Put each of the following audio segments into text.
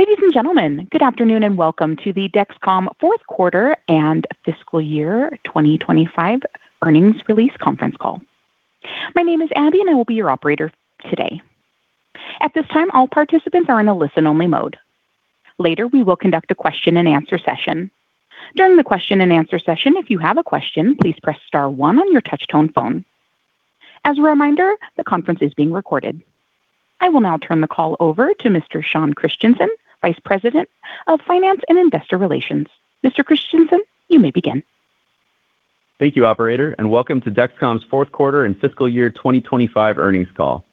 Ladies and gentlemen, good afternoon, and welcome to the Dexcom Fourth Quarter and Fiscal Year 2025 Earnings Release Conference Call. My name is Abby, and I will be your operator today. At this time, all participants are in a listen-only mode. Later, we will conduct a question-and-answer session. During the question-and-answer session, if you have a question, please press star one on your touchtone phone. As a reminder, the conference is being recorded. I will now turn the call over to Mr. Sean Christensen, Vice President of Finance and Investor Relations. Mr. Christensen, you may begin. Thank you, operator, and welcome to Dexcom's fourth quarter and fiscal year 2025 earnings call.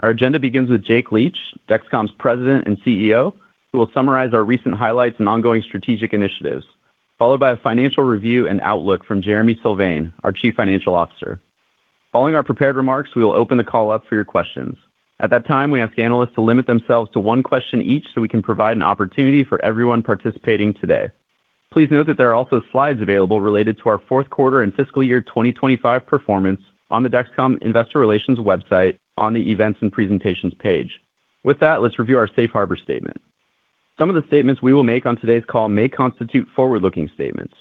Our agenda begins with Jake Leach, Dexcom's President and CEO, who will summarize our recent highlights and ongoing strategic initiatives, followed by a financial review and outlook from Jereme Sylvain, our Chief Financial Officer. Following our prepared remarks, we will open the call up for your questions. At that time, we ask analysts to limit themselves to one question each so we can provide an opportunity for everyone participating today. Please note that there are also slides available related to our fourth quarter and fiscal year 2025 performance on the Dexcom Investor Relations website on the Events and Presentations page. With that, let's review our safe harbor statement. Some of the statements we will make on today's call may constitute forward-looking statements.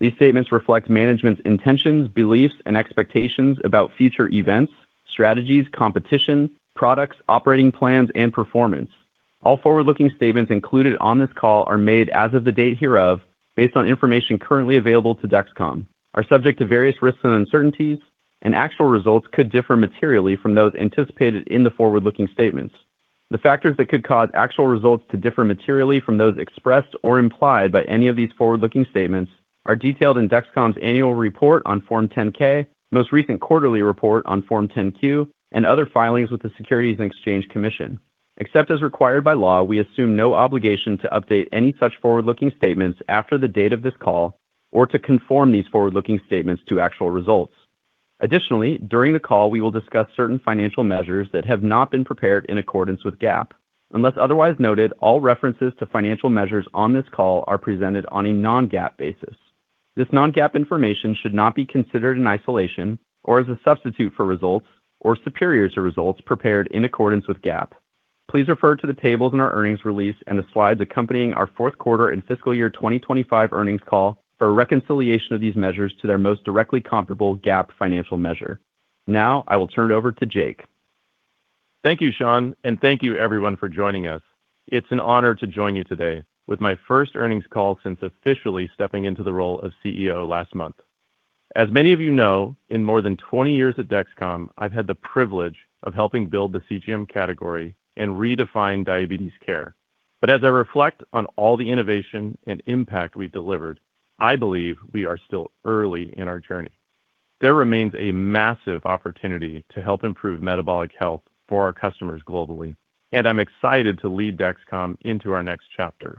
These statements reflect management's intentions, beliefs, and expectations about future events, strategies, competition, products, operating plans, and performance. All forward-looking statements included on this call are made as of the date hereof, based on information currently available to Dexcom, are subject to various risks and uncertainties, and actual results could differ materially from those anticipated in the forward-looking statements. The factors that could cause actual results to differ materially from those expressed or implied by any of these forward-looking statements are detailed in Dexcom's annual report on Form 10-K, most recent quarterly report on Form 10-Q, and other filings with the Securities and Exchange Commission. Except as required by law, we assume no obligation to update any such forward-looking statements after the date of this call or to conform these forward-looking statements to actual results. Additionally, during the call, we will discuss certain financial measures that have not been prepared in accordance with GAAP. Unless otherwise noted, all references to financial measures on this call are presented on a non-GAAP basis. This non-GAAP information should not be considered in isolation or as a substitute for results or superior to results prepared in accordance with GAAP. Please refer to the tables in our earnings release and the slides accompanying our fourth quarter and fiscal year 2025 earnings call for a reconciliation of these measures to their most directly comparable GAAP financial measure. Now, I will turn it over to Jake. Thank you, Sean, and thank you, everyone, for joining us. It's an honor to join you today with my first earnings call since officially stepping into the role of CEO last month. As many of you know, in more than 20 years at Dexcom, I've had the privilege of helping build the CGM category and redefine diabetes care. But as I reflect on all the innovation and impact we've delivered, I believe we are still early in our journey. There remains a massive opportunity to help improve metabolic health for our customers globally, and I'm excited to lead Dexcom into our next chapter.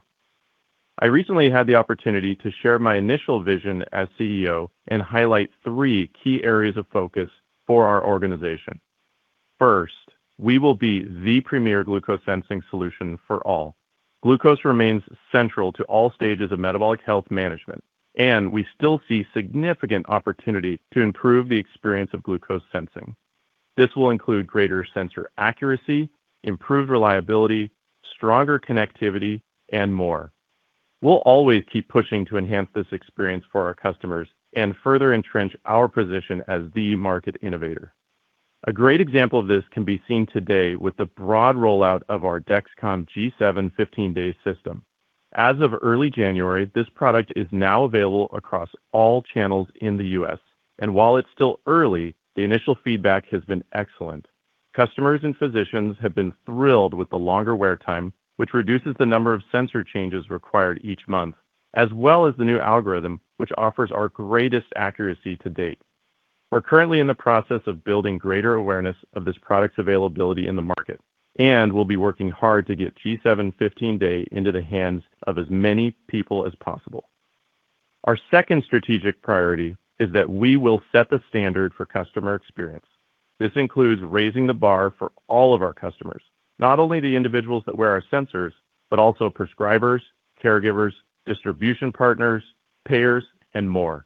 I recently had the opportunity to share my initial vision as CEO and highlight three key areas of focus for our organization. First, we will be the premier glucose sensing solution for all. Glucose remains central to all stages of metabolic health management, and we still see significant opportunity to improve the experience of glucose sensing. This will include greater sensor accuracy, improved reliability, stronger connectivity, and more. We'll always keep pushing to enhance this experience for our customers and further entrench our position as the market innovator. A great example of this can be seen today with the broad rollout of our Dexcom G7 15-Day system. As of early January, this product is now available across all channels in the U.S., and while it's still early, the initial feedback has been excellent. Customers and physicians have been thrilled with the longer wear time, which reduces the number of sensor changes required each month, as well as the new algorithm, which offers our greatest accuracy to date. We're currently in the process of building greater awareness of this product's availability in the market, and we'll be working hard to get G7 15-Day into the hands of as many people as possible. Our second strategic priority is that we will set the standard for customer experience. This includes raising the bar for all of our customers, not only the individuals that wear our sensors, but also prescribers, caregivers, distribution partners, payers, and more.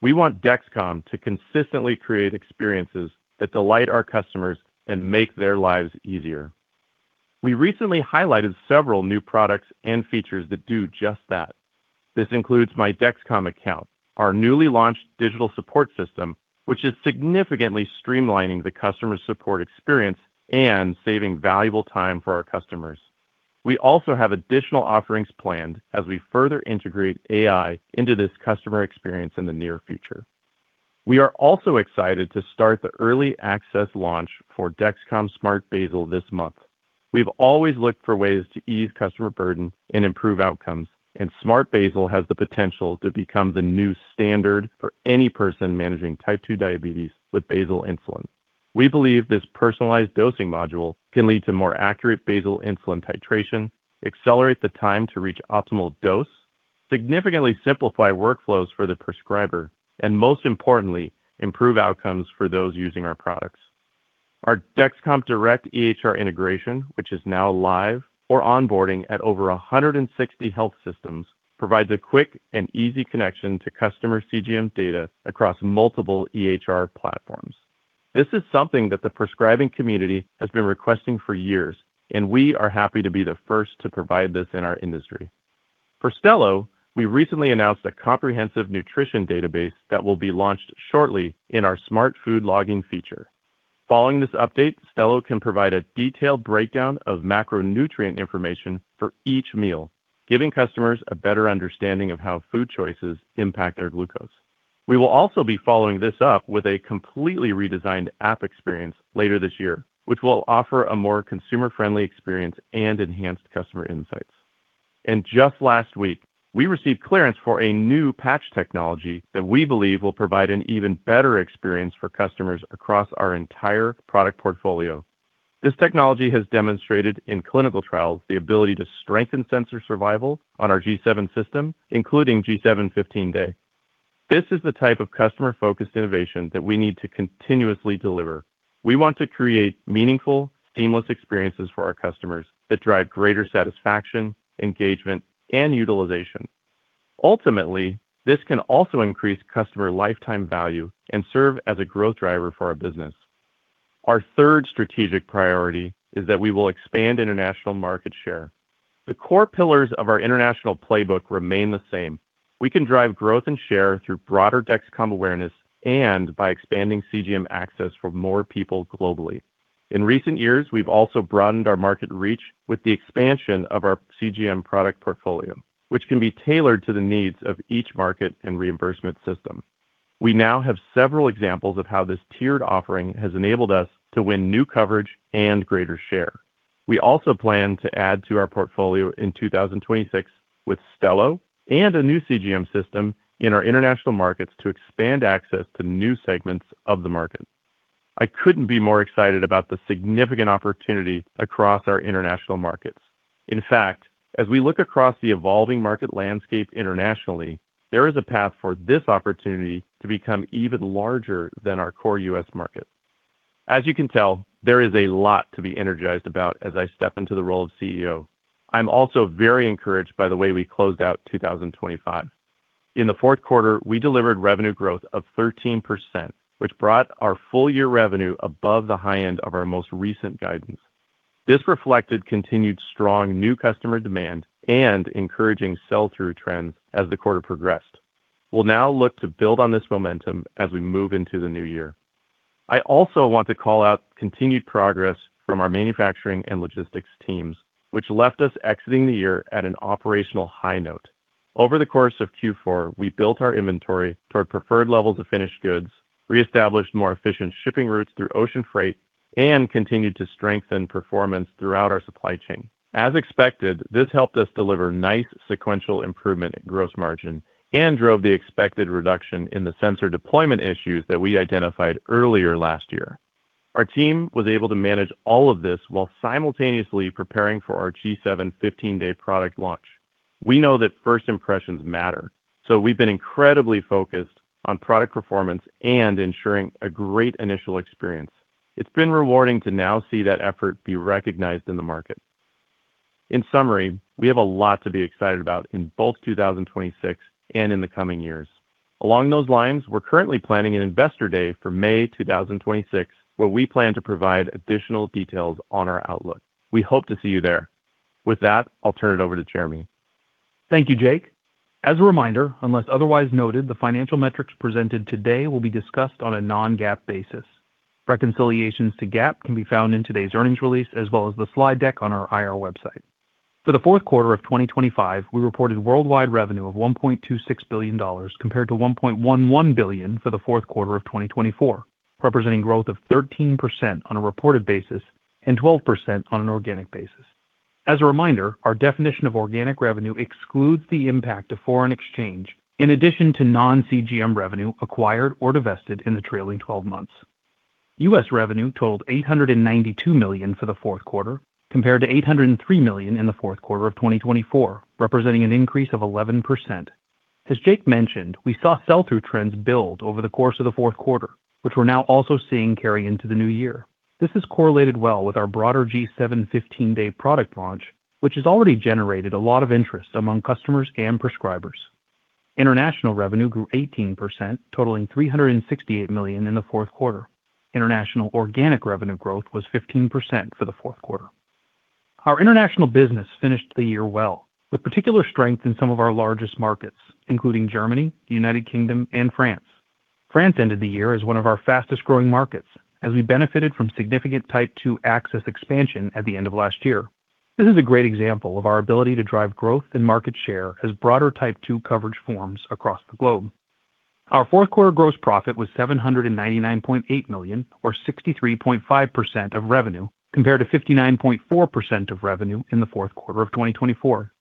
We want Dexcom to consistently create experiences that delight our customers and make their lives easier. We recently highlighted several new products and features that do just that. This includes My Dexcom Account, our newly launched digital support system, which is significantly streamlining the customer support experience and saving valuable time for our customers. We also have additional offerings planned as we further integrate AI into this customer experience in the near future. We are also excited to start the early access launch for Dexcom Smart Basal this month. We've always looked for ways to ease customer burden and improve outcomes, and Smart Basal has the potential to become the new standard for any person managing Type 2 diabetes with basal insulin. We believe this personalized dosing module can lead to more accurate basal insulin titration, accelerate the time to reach optimal dose, significantly simplify workflows for the prescriber, and, most importantly, improve outcomes for those using our products. Our Dexcom Direct EHR Integration, which is now live or onboarding at over 160 health systems, provides a quick and easy connection to customer CGM data across multiple EHR platforms. This is something that the prescribing community has been requesting for years, and we are happy to be the first to provide this in our industry. For Stelo, we recently announced a comprehensive nutrition database that will be launched shortly in our smart food logging feature. Following this update, Stelo can provide a detailed breakdown of macronutrient information for each meal, giving customers a better understanding of how food choices impact their glucose. We will also be following this up with a completely redesigned app experience later this year, which will offer a more consumer-friendly experience and enhanced customer insights. And just last week, we received clearance for a new patch technology that we believe will provide an even better experience for customers across our entire product portfolio. This technology has demonstrated in clinical trials the ability to strengthen sensor survival on our G7 system, including G7 15-Day. This is the type of customer-focused innovation that we need to continuously deliver. We want to create meaningful, seamless experiences for our customers that drive greater satisfaction, engagement, and utilization. Ultimately, this can also increase customer lifetime value and serve as a growth driver for our business. Our third strategic priority is that we will expand international market share. The core pillars of our international playbook remain the same. We can drive growth and share through broader Dexcom awareness and by expanding CGM access for more people globally. In recent years, we've also broadened our market reach with the expansion of our CGM product portfolio, which can be tailored to the needs of each market and reimbursement system. We now have several examples of how this tiered offering has enabled us to win new coverage and greater share. We also plan to add to our portfolio in 2026 with Stelo and a new CGM system in our international markets to expand access to new segments of the market. I couldn't be more excited about the significant opportunity across our international markets. In fact, as we look across the evolving market landscape internationally, there is a path for this opportunity to become even larger than our core U.S. market. As you can tell, there is a lot to be energized about as I step into the role of CEO. I'm also very encouraged by the way we closed out 2025. In the fourth quarter, we delivered revenue growth of 13%, which brought our full-year revenue above the high end of our most recent guidance. This reflected continued strong new customer demand and encouraging sell-through trends as the quarter progressed. We'll now look to build on this momentum as we move into the new year. I also want to call out continued progress from our manufacturing and logistics teams, which left us exiting the year at an operational high note. Over the course of Q4, we built our inventory toward preferred levels of finished goods, reestablished more efficient shipping routes through ocean freight, and continued to strengthen performance throughout our supply chain. As expected, this helped us deliver nice sequential improvement in gross margin and drove the expected reduction in the sensor deployment issues that we identified earlier last year. Our team was able to manage all of this while simultaneously preparing for our G7 15-Day product launch. We know that first impressions matter, so we've been incredibly focused on product performance and ensuring a great initial experience. It's been rewarding to now see that effort be recognized in the market. In summary, we have a lot to be excited about in both 2026 and in the coming years. Along those lines, we're currently planning an Investor Day for May 2026, where we plan to provide additional details on our outlook. We hope to see you there. With that, I'll turn it over to Jereme. Thank you, Jake. As a reminder, unless otherwise noted, the financial metrics presented today will be discussed on a non-GAAP basis. Reconciliations to GAAP can be found in today's earnings release, as well as the slide deck on our IR website. For the fourth quarter of 2025, we reported worldwide revenue of $1.26 billion, compared to $1.11 billion for the fourth quarter of 2024, representing growth of 13% on a reported basis and 12% on an organic basis. As a reminder, our definition of organic revenue excludes the impact of foreign exchange, in addition to non-CGM revenue acquired or divested in the trailing twelve months. U.S. revenue totaled $892 million for the fourth quarter, compared to $803 million in the fourth quarter of 2024, representing an increase of 11%. As Jake mentioned, we saw sell-through trends build over the course of the fourth quarter, which we're now also seeing carry into the new year. This has correlated well with our broader G7 15-Day product launch, which has already generated a lot of interest among customers and prescribers. International revenue grew 18%, totaling $368 million in the fourth quarter. International organic revenue growth was 15% for the fourth quarter. Our international business finished the year well, with particular strength in some of our largest markets, including Germany, United Kingdom, and France. France ended the year as one of our fastest-growing markets, as we benefited from significant Type 2 access expansion at the end of last year. This is a great example of our ability to drive growth and market share as broader Type 2 coverage forms across the globe. Our fourth quarter gross profit was $799.8 million, or 63.5% of revenue, compared to 59.4% of revenue in the fourth quarter of 2024.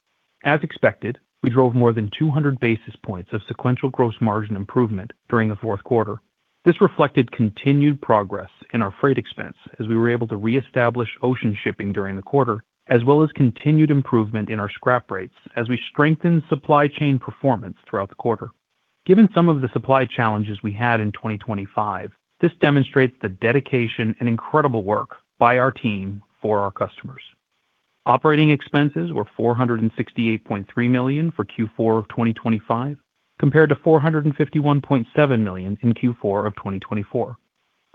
As expected, we drove more than 200 basis points of sequential gross margin improvement during the fourth quarter. This reflected continued progress in our freight expense, as we were able to reestablish ocean shipping during the quarter, as well as continued improvement in our scrap rates as we strengthened supply chain performance throughout the quarter. Given some of the supply challenges we had in 2025, this demonstrates the dedication and incredible work by our team for our customers. Operating expenses were $468.3 million for Q4 of 2025, compared to $451.7 million in Q4 of 2024.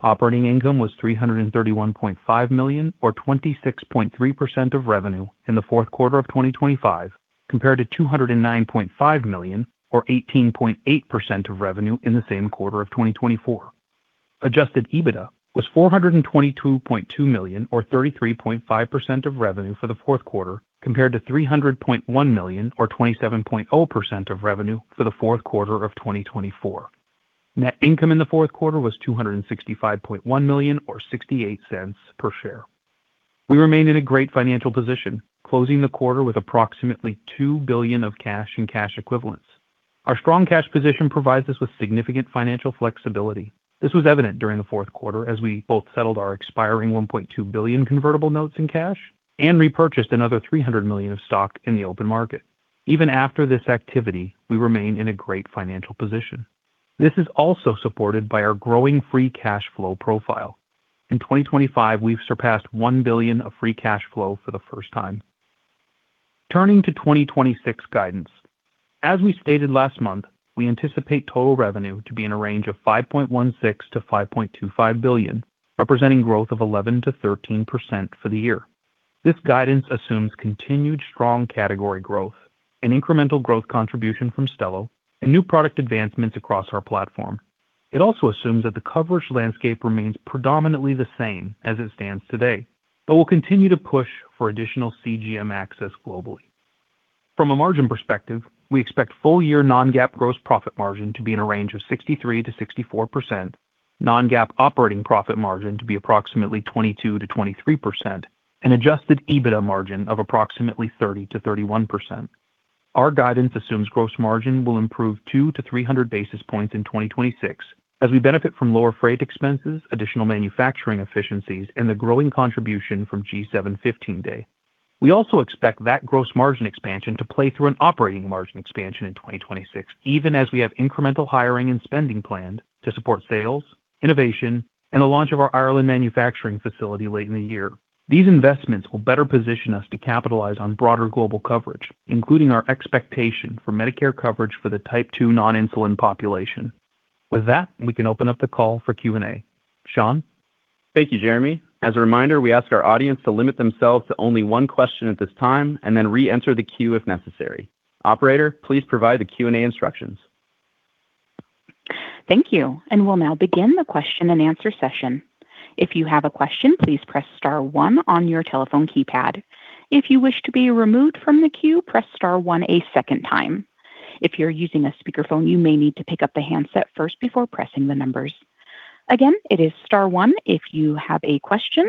Operating income was $331.5 million or 26.3% of revenue in the fourth quarter of 2025, compared to $209.5 million or 18.8% of revenue in the same quarter of 2024. Adjusted EBITDA was $422.2 million or 33.5% of revenue for the fourth quarter, compared to $300.1 million or 27.0% of revenue for the fourth quarter of 2024. Net income in the fourth quarter was $265.1 million or $0.68 per share. We remain in a great financial position, closing the quarter with approximately $2 billion of cash and cash equivalents. Our strong cash position provides us with significant financial flexibility. This was evident during the fourth quarter as we both settled our expiring $1.2 billion convertible notes in cash and repurchased another $300 million of stock in the open market. Even after this activity, we remain in a great financial position. This is also supported by our growing free cash flow profile. In 2025, we've surpassed $1 billion of free cash flow for the first time. Turning to 2026 guidance. As we stated last month, we anticipate total revenue to be in a range of $5.16 billion-$5.25 billion, representing growth of 11%-13% for the year. This guidance assumes continued strong category growth and incremental growth contribution from Stelo and new product advancements across our platform. It also assumes that the coverage landscape remains predominantly the same as it stands today, but we'll continue to push for additional CGM access globally. From a margin perspective, we expect full-year non-GAAP gross profit margin to be in a range of 63%-64%, non-GAAP operating profit margin to be approximately 22%-23%, and adjusted EBITDA margin of approximately 30%-31%. Our guidance assumes gross margin will improve 200-300 basis points in 2026 as we benefit from lower freight expenses, additional manufacturing efficiencies, and the growing contribution from G7 15-Day. We also expect that gross margin expansion to play through an operating margin expansion in 2026, even as we have incremental hiring and spending planned to support sales, innovation, and the launch of our Ireland manufacturing facility late in the year. These investments will better position us to capitalize on broader global coverage, including our expectation for Medicare coverage for the Type 2 non-insulin population. With that, we can open up the call for Q&A. Sean? Thank you, Jereme. As a reminder, we ask our audience to limit themselves to only one question at this time and then re-enter the queue if necessary. Operator, please provide the Q&A instructions. Thank you, and we'll now begin the question-and-answer session. If you have a question, please press star one on your telephone keypad. If you wish to be removed from the queue, press star one a second time. If you're using a speakerphone, you may need to pick up the handset first before pressing the numbers. Again, it is star one if you have a question.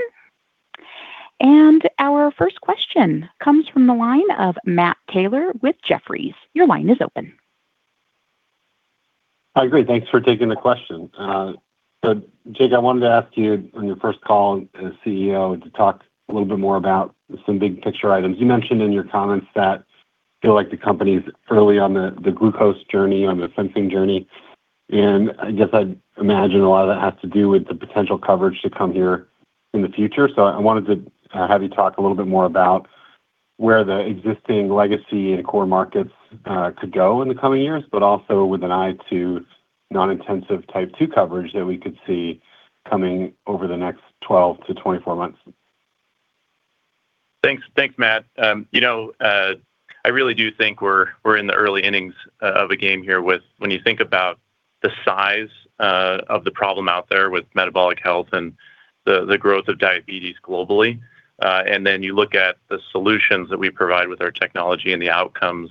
Our first question comes from the line of Matt Taylor with Jefferies. Your line is open. Hi, great. Thanks for taking the question. So Jake, I wanted to ask you on your first call as CEO to talk a little bit more about some big picture items. You mentioned in your comments that you feel like the company's early on the glucose journey, on the sensing journey, and I guess I'd imagine a lot of that has to do with the potential coverage to come here in the future. So I wanted to have you talk a little bit more about where the existing legacy and core markets could go in the coming years, but also with an eye to non-intensive Type 2 coverage that we could see coming over the next 12-24 months. Thanks. Thanks, Matt. You know, I really do think we're in the early innings of a game here with when you think about the size of the problem out there with metabolic health and the growth of diabetes globally, and then you look at the solutions that we provide with our technology and the outcomes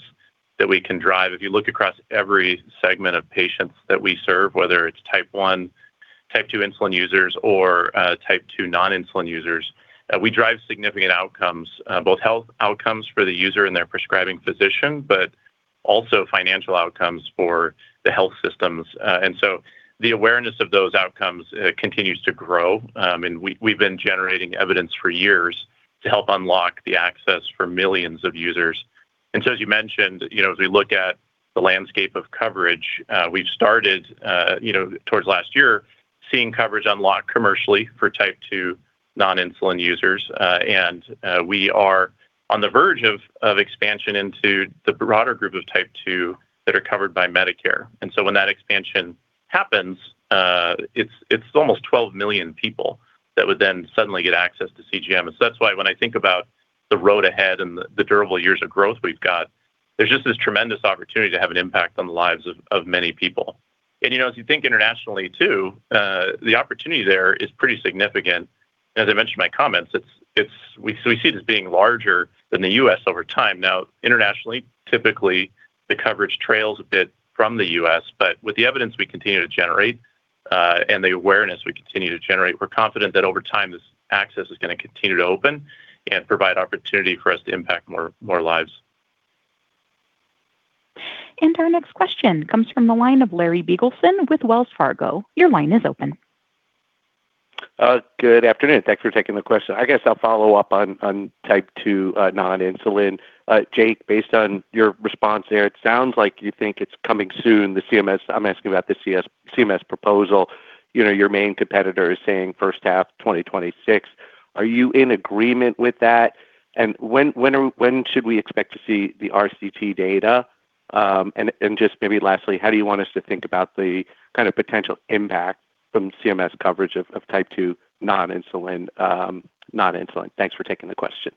that we can drive. If you look across every segment of patients that we serve, whether it's Type 1, Type 2 insulin users, or Type 2 non-insulin users, we drive significant outcomes, both health outcomes for the user and their prescribing physician, but also financial outcomes for the health systems. And so the awareness of those outcomes continues to grow. And we've been generating evidence for years to help unlock the access for millions of users. And so as you mentioned, you know, as we look at the landscape of coverage, we've started, you know, towards last year, seeing coverage unlocked commercially for Type 2 non-insulin users. And we are on the verge of expansion into the broader group of Type 2 that are covered by Medicare. And so when that expansion happens, it's almost 12 million people that would then suddenly get access to CGM. And so that's why when I think about the road ahead and the durable years of growth we've got, there's just this tremendous opportunity to have an impact on the lives of many people. And, you know, as you think internationally too, the opportunity there is pretty significant. As I mentioned in my comments, it's we see this being larger than the U.S. over time. Now, internationally, typically, the coverage trails a bit from the U.S., but with the evidence we continue to generate, and the awareness we continue to generate, we're confident that over time, this access is going to continue to open and provide opportunity for us to impact more, more lives. Our next question comes from the line of Larry Biegelsen with Wells Fargo. Your line is open. Good afternoon. Thanks for taking the question. I guess I'll follow up on, on type two, non-insulin. Jake, based on your response there, it sounds like you think it's coming soon, the CMS, I'm asking about the CMS proposal. You know, your main competitor is saying first half 2026. Are you in agreement with that? And when should we expect to see the RCT data? And just maybe lastly, how do you want us to think about the kind of potential impact from CMS coverage of type two non-insulin? Thanks for taking the question.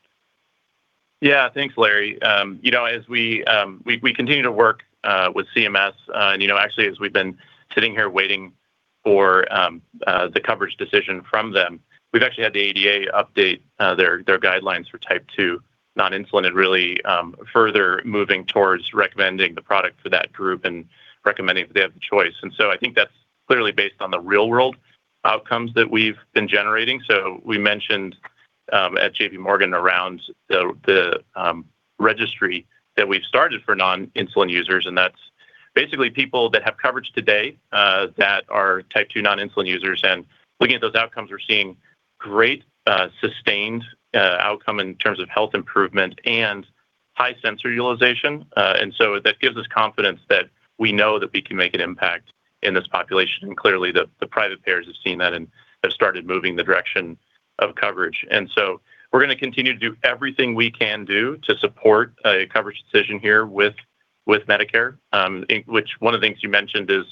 Yeah. Thanks, Larry. You know, as we continue to work with CMS, and you know, actually, as we've been sitting here waiting for the coverage decision from them, we've actually had the ADA update their guidelines for type two non-insulin and really further moving towards recommending the product for that group and recommending that they have the choice. And so I think that's clearly based on the real-world outcomes that we've been generating. So we mentioned at JPMorgan around the registry that we've started for non-insulin users, and that's basically people that have coverage today that are type two non-insulin users. And looking at those outcomes, we're seeing great sustained outcome in terms of health improvement and high sensor utilization. And so that gives us confidence that we know that we can make an impact in this population. And clearly, the private payers have seen that and have started moving the direction of coverage. And so we're going to continue to do everything we can do to support a coverage decision here with Medicare, in which one of the things you mentioned is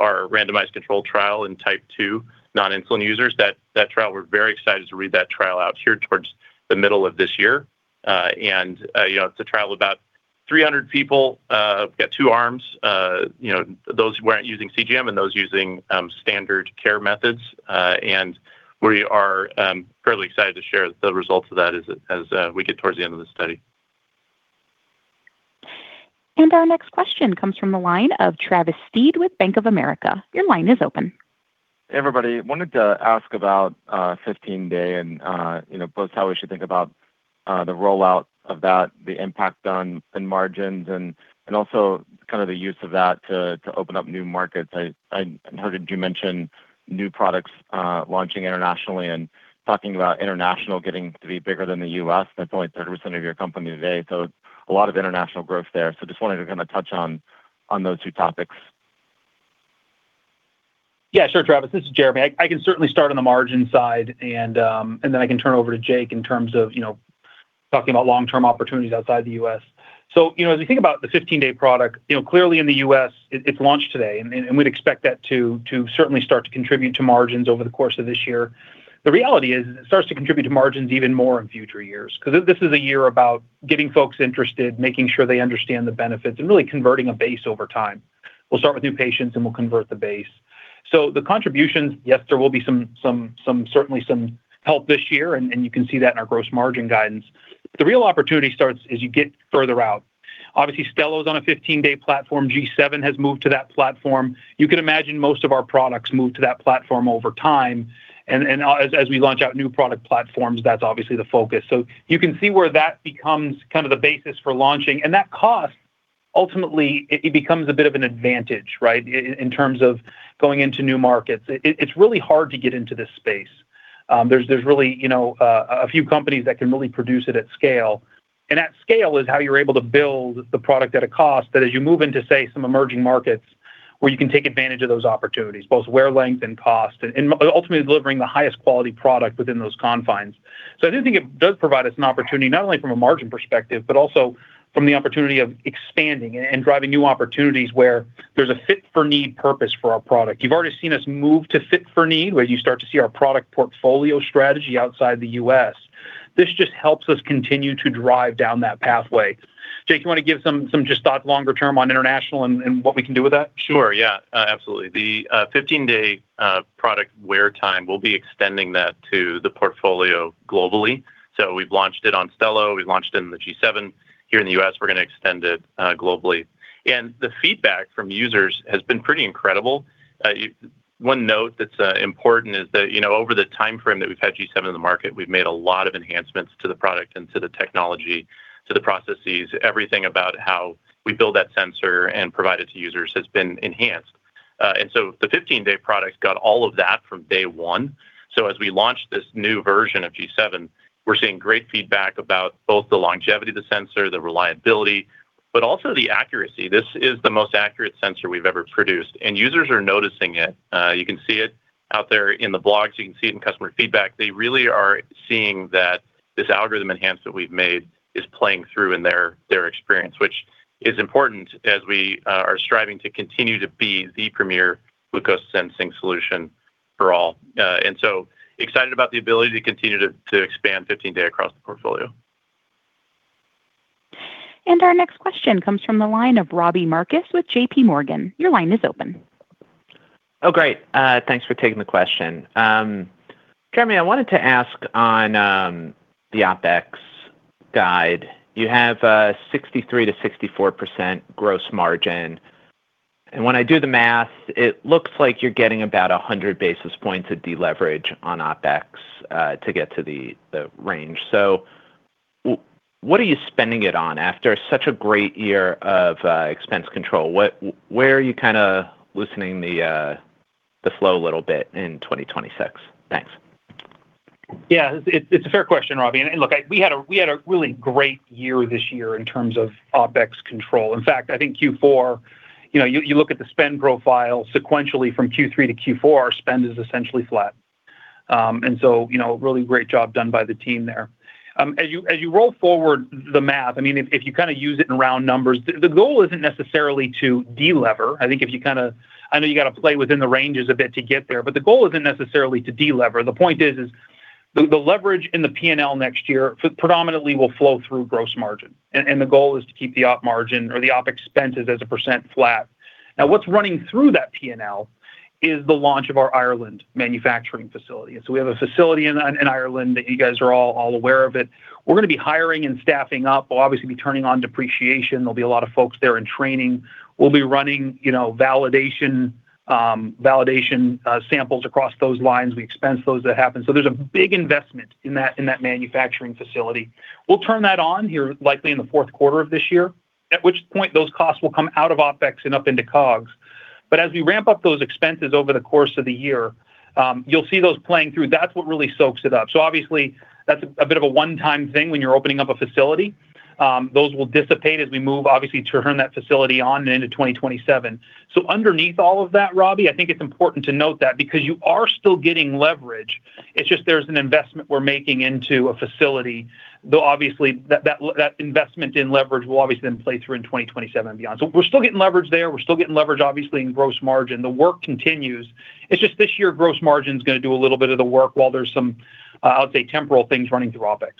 our randomized control trial in type two non-insulin users. That trial, we're very excited to read that trial out here towards the middle of this year. And, you know, it's a trial of about 300 people, we've got two arms, you know, those who weren't using CGM and those using standard care methods. And we are fairly excited to share the results of that as we get towards the end of the study. Our next question comes from the line of Travis Steed with Bank of America. Your line is open. Hey, everybody. Wanted to ask about 15-Day and you know, both how we should think about the rollout of that, the impact on margins and also kind of the use of that to open up new markets. I heard you mention new products launching internationally and talking about international getting to be bigger than the U.S. That's only 30% of your company today, so a lot of international growth there. So just wanted to kind of touch on those two topics. Yeah, sure, Travis. This is Jereme. I can certainly start on the margin side, and then I can turn it over to Jake in terms of, you know, talking about long-term opportunities outside the U.S. So, you know, as you think about the 15-Day product, you know, clearly in the U.S., it's launched today, and we'd expect that to certainly start to contribute to margins over the course of this year. The reality is, it starts to contribute to margins even more in future years, because this is a year about getting folks interested, making sure they understand the benefits, and really converting a base over time. We'll start with new patients, and we'll convert the base. So the contributions, yes, there will be some, certainly some help this year, and you can see that in our gross margin guidance. The real opportunity starts as you get further out. Obviously, Stelo is on a 15-Day platform. G7 has moved to that platform. You can imagine most of our products move to that platform over time, and as we launch out new product platforms, that's obviously the focus. So you can see where that becomes kind of the basis for launching. And that cost, ultimately, it becomes a bit of an advantage, right? In terms of going into new markets. It's really hard to get into this space. There's really, you know, a few companies that can really produce it at scale. At scale is how you're able to build the product at a cost that as you move into, say, some emerging markets, where you can take advantage of those opportunities, both wear length and cost, and ultimately delivering the highest quality product within those confines. So I do think it does provide us an opportunity, not only from a margin perspective, but also from the opportunity of expanding and driving new opportunities where there's a fit-for-need purpose for our product. You've already seen us move to fit for need, where you start to see our product portfolio strategy outside the U.S. This just helps us continue to drive down that pathway. Jake, you want to give some just thought longer term on international and what we can do with that? Sure. Yeah, absolutely. The 15-Day product wear time, we'll be extending that to the portfolio globally. So we've launched it on Stelo, we've launched it in the G7 here in the U.S. We're going to extend it globally. And the feedback from users has been pretty incredible. One note that's important is that, you know, over the timeframe that we've had G7 in the market, we've made a lot of enhancements to the product and to the technology, to the processes. Everything about how we build that sensor and provide it to users has been enhanced. And so the 15-Day product got all of that from day one. So as we launch this new version of G7, we're seeing great feedback about both the longevity of the sensor, the reliability, but also the accuracy. This is the most accurate sensor we've ever produced, and users are noticing it. You can see it out there in the blogs. You can see it in customer feedback. They really are seeing that this algorithm enhancement we've made is playing through in their experience, which is important as we are striving to continue to be the premier glucose sensing solution for all. And so excited about the ability to continue to expand 15-day across the portfolio. Our next question comes from the line of Robbie Marcus with JPMorgan. Your line is open. Oh, great. Thanks for taking the question. Jeremy, I wanted to ask on the OpEx guide. You have a 63% to64% gross margin, and when I do the math, it looks like you're getting about 100 basis points of deleverage on OpEx to get to the range. So what are you spending it on? After such a great year of expense control, where are you kind of loosening the flow a little bit in 2026? Thanks. Yeah, it's a fair question, Robbie. And look, I—we had a really great year this year in terms of OpEx control. In fact, I think Q4, you know, you look at the spend profile sequentially from Q3 to Q4, our spend is essentially flat. And so, you know, really great job done by the team there. As you roll forward the math, I mean, if you kind of use it in round numbers, the goal isn't necessarily to delever. I think if you kind of—I know you got to play within the ranges a bit to get there, but the goal isn't necessarily to delever. The point is the leverage in the P&L next year predominantly will flow through gross margin. And the goal is to keep the Op margin or the Op expenses as a % flat. Now, what's running through that P&L is the launch of our Ireland manufacturing facility. And so we have a facility in Ireland that you guys are all aware of it. We're going to be hiring and staffing up. We'll obviously be turning on depreciation. There'll be a lot of folks there in training. We'll be running, you know, validation samples across those lines. We expense those that happen. So there's a big investment in that manufacturing facility. We'll turn that on here, likely in the fourth quarter of this year, at which point those costs will come out of OpEx and up into COGS. But as we ramp up those expenses over the course of the year, you'll see those playing through. That's what really soaks it up. So obviously, that's a bit of a one-time thing when you're opening up a facility. Those will dissipate as we move, obviously, to turn that facility on into 2027. So underneath all of that, Robbie, I think it's important to note that because you are still getting leverage, it's just there's an investment we're making into a facility, though, obviously, that investment in leverage will obviously then play through in 2027 and beyond. So we're still getting leverage there. We're still getting leverage, obviously, in gross margin. The work continues. It's just this year, gross margin is going to do a little bit of the work while there's some, I would say, temporal things running through OpEx.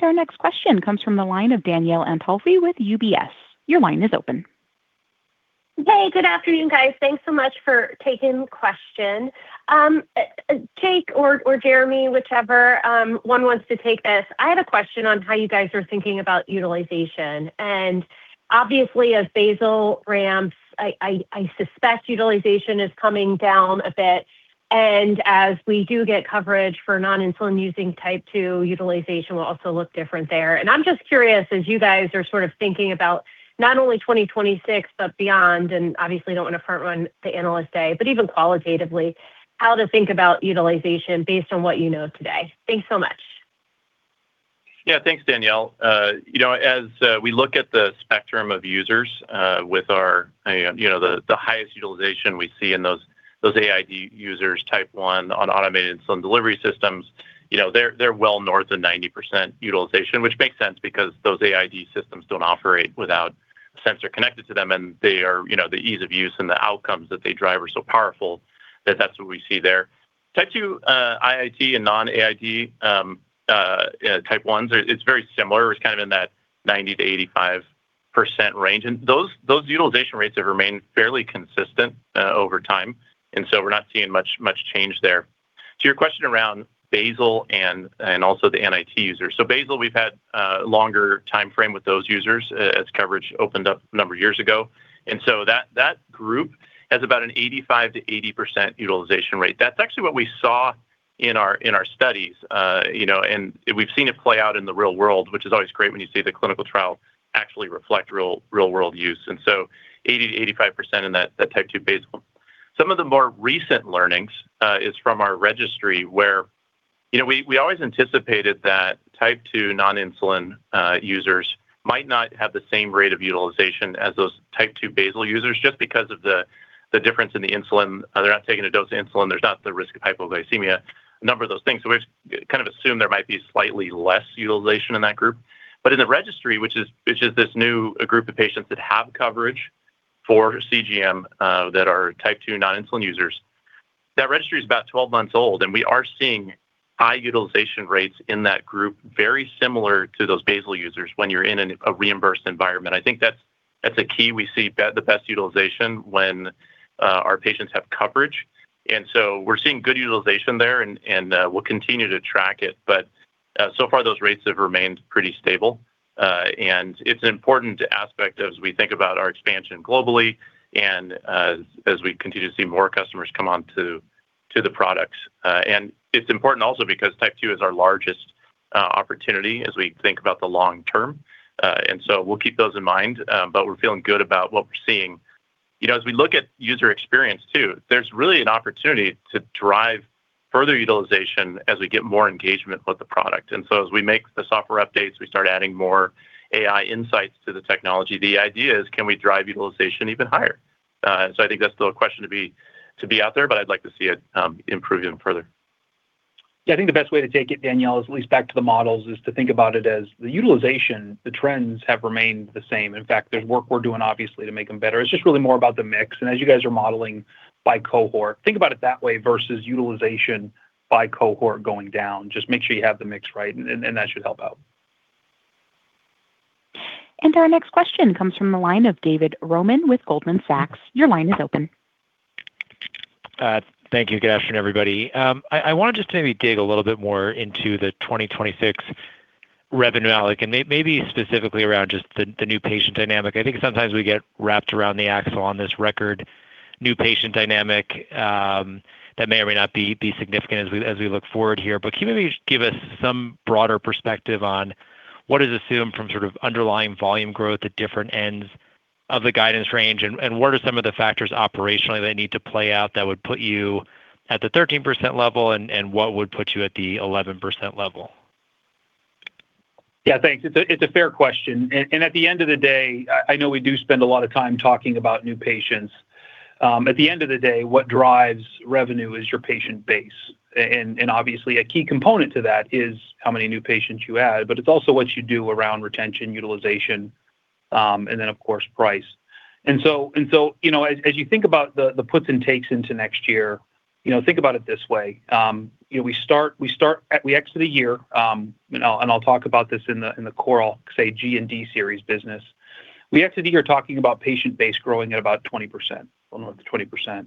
Our next question comes from the line of Danielle Antalffy with UBS. Your line is open. Hey, good afternoon, guys. Thanks so much for taking the question. Jake or Jereme, whichever one wants to take this. I had a question on how you guys are thinking about utilization. And obviously, as Basal ramps, I suspect utilization is coming down a bit, and as we do get coverage for non-insulin using Type 2, utilization will also look different there. And I'm just curious, as you guys are sort of thinking about not only 2026, but beyond, and obviously don't want to front run the Analyst Day, but even qualitatively, how to think about utilization based on what you know today. Thanks so much. Yeah. Thanks, Danielle. You know, as we look at the spectrum of users with our, you know, the highest utilization we see in those AID users, Type 1 on automated insulin delivery systems, you know, they're well north of 90% utilization, which makes sense because those AID systems don't operate without sensor connected to them, and they are, you know, the ease of use and the outcomes that they drive are so powerful that that's what we see there. Type 2, IIT and non-AID, Type 1s, it's very similar. It's kind of in that 90%-85% range. And those utilization rates have remained fairly consistent over time, and so we're not seeing much change there. To your question around basal and also the NIT user. So basal, we've had a longer time frame with those users as coverage opened up a number of years ago. And so that, that group has about an 85%-80% utilization rate. That's actually what we saw in our, in our studies, you know, and we've seen it play out in the real world, which is always great when you see the clinical trial actually reflect real, real-world use. And so 80%-85% in that, that Type 2 basal. Some of the more recent learnings is from our registry, where, you know, we, we always anticipated that Type 2 non-insulin users might not have the same rate of utilization as those Type 2 basal users just because of the, the difference in the insulin. They're not taking a dose of insulin. There's not the risk of hypoglycemia, a number of those things. So we've kind of assumed there might be slightly less utilization in that group. But in the registry, which is this new group of patients that have coverage for CGM, that are Type 2 non-insulin users, that registry is about 12 months old, and we are seeing high utilization rates in that group, very similar to those basal users when you're in a reimbursed environment. I think that's a key. We see the best utilization when our patients have coverage, and so we're seeing good utilization there and we'll continue to track it. But so far those rates have remained pretty stable. And it's an important aspect as we think about our expansion globally and as we continue to see more customers come on to the products. And it's important also because Type 2 is our largest opportunity as we think about the long term. And so we'll keep those in mind, but we're feeling good about what we're seeing. You know, as we look at user experience too, there's really an opportunity to drive further utilization as we get more engagement with the product. And so as we make the software updates, we start adding more AI insights to the technology. The idea is: Can we drive utilization even higher? So I think that's still a question to be out there, but I'd like to see it improve even further. Yeah, I think the best way to take it, Danielle, is at least back to the models, is to think about it as the utilization, the trends have remained the same. In fact, there's work we're doing, obviously, to make them better. It's just really more about the mix. And as you guys are modeling by cohort, think about it that way versus utilization by cohort going down. Just make sure you have the mix right, and that should help out. Our next question comes from the line of David Roman with Goldman Sachs. Your line is open. Thank you. Good afternoon, everybody. I want to just maybe dig a little bit more into the 2026 revenue outlook, and maybe specifically around just the new patient dynamic. I think sometimes we get wrapped around the axle on this record new patient dynamic, that may or may not be significant as we look forward here. But can you maybe give us some broader perspective on what is assumed from sort of underlying volume growth at different ends of the guidance range? And what are some of the factors operationally that need to play out that would put you at the 13% level, and what would put you at the 11% level? Yeah, thanks. It's a fair question. At the end of the day, I know we do spend a lot of time talking about new patients. At the end of the day, what drives revenue is your patient base. Obviously, a key component to that is how many new patients you add, but it's also what you do around retention, utilization, and then of course, price. So, you know, as you think about the puts and takes into next year, you know, think about it this way: you know, we exit a year, and I'll talk about this in the Core, say, G and D series business. We exit the year talking about patient base growing at about 20%, almost 20%.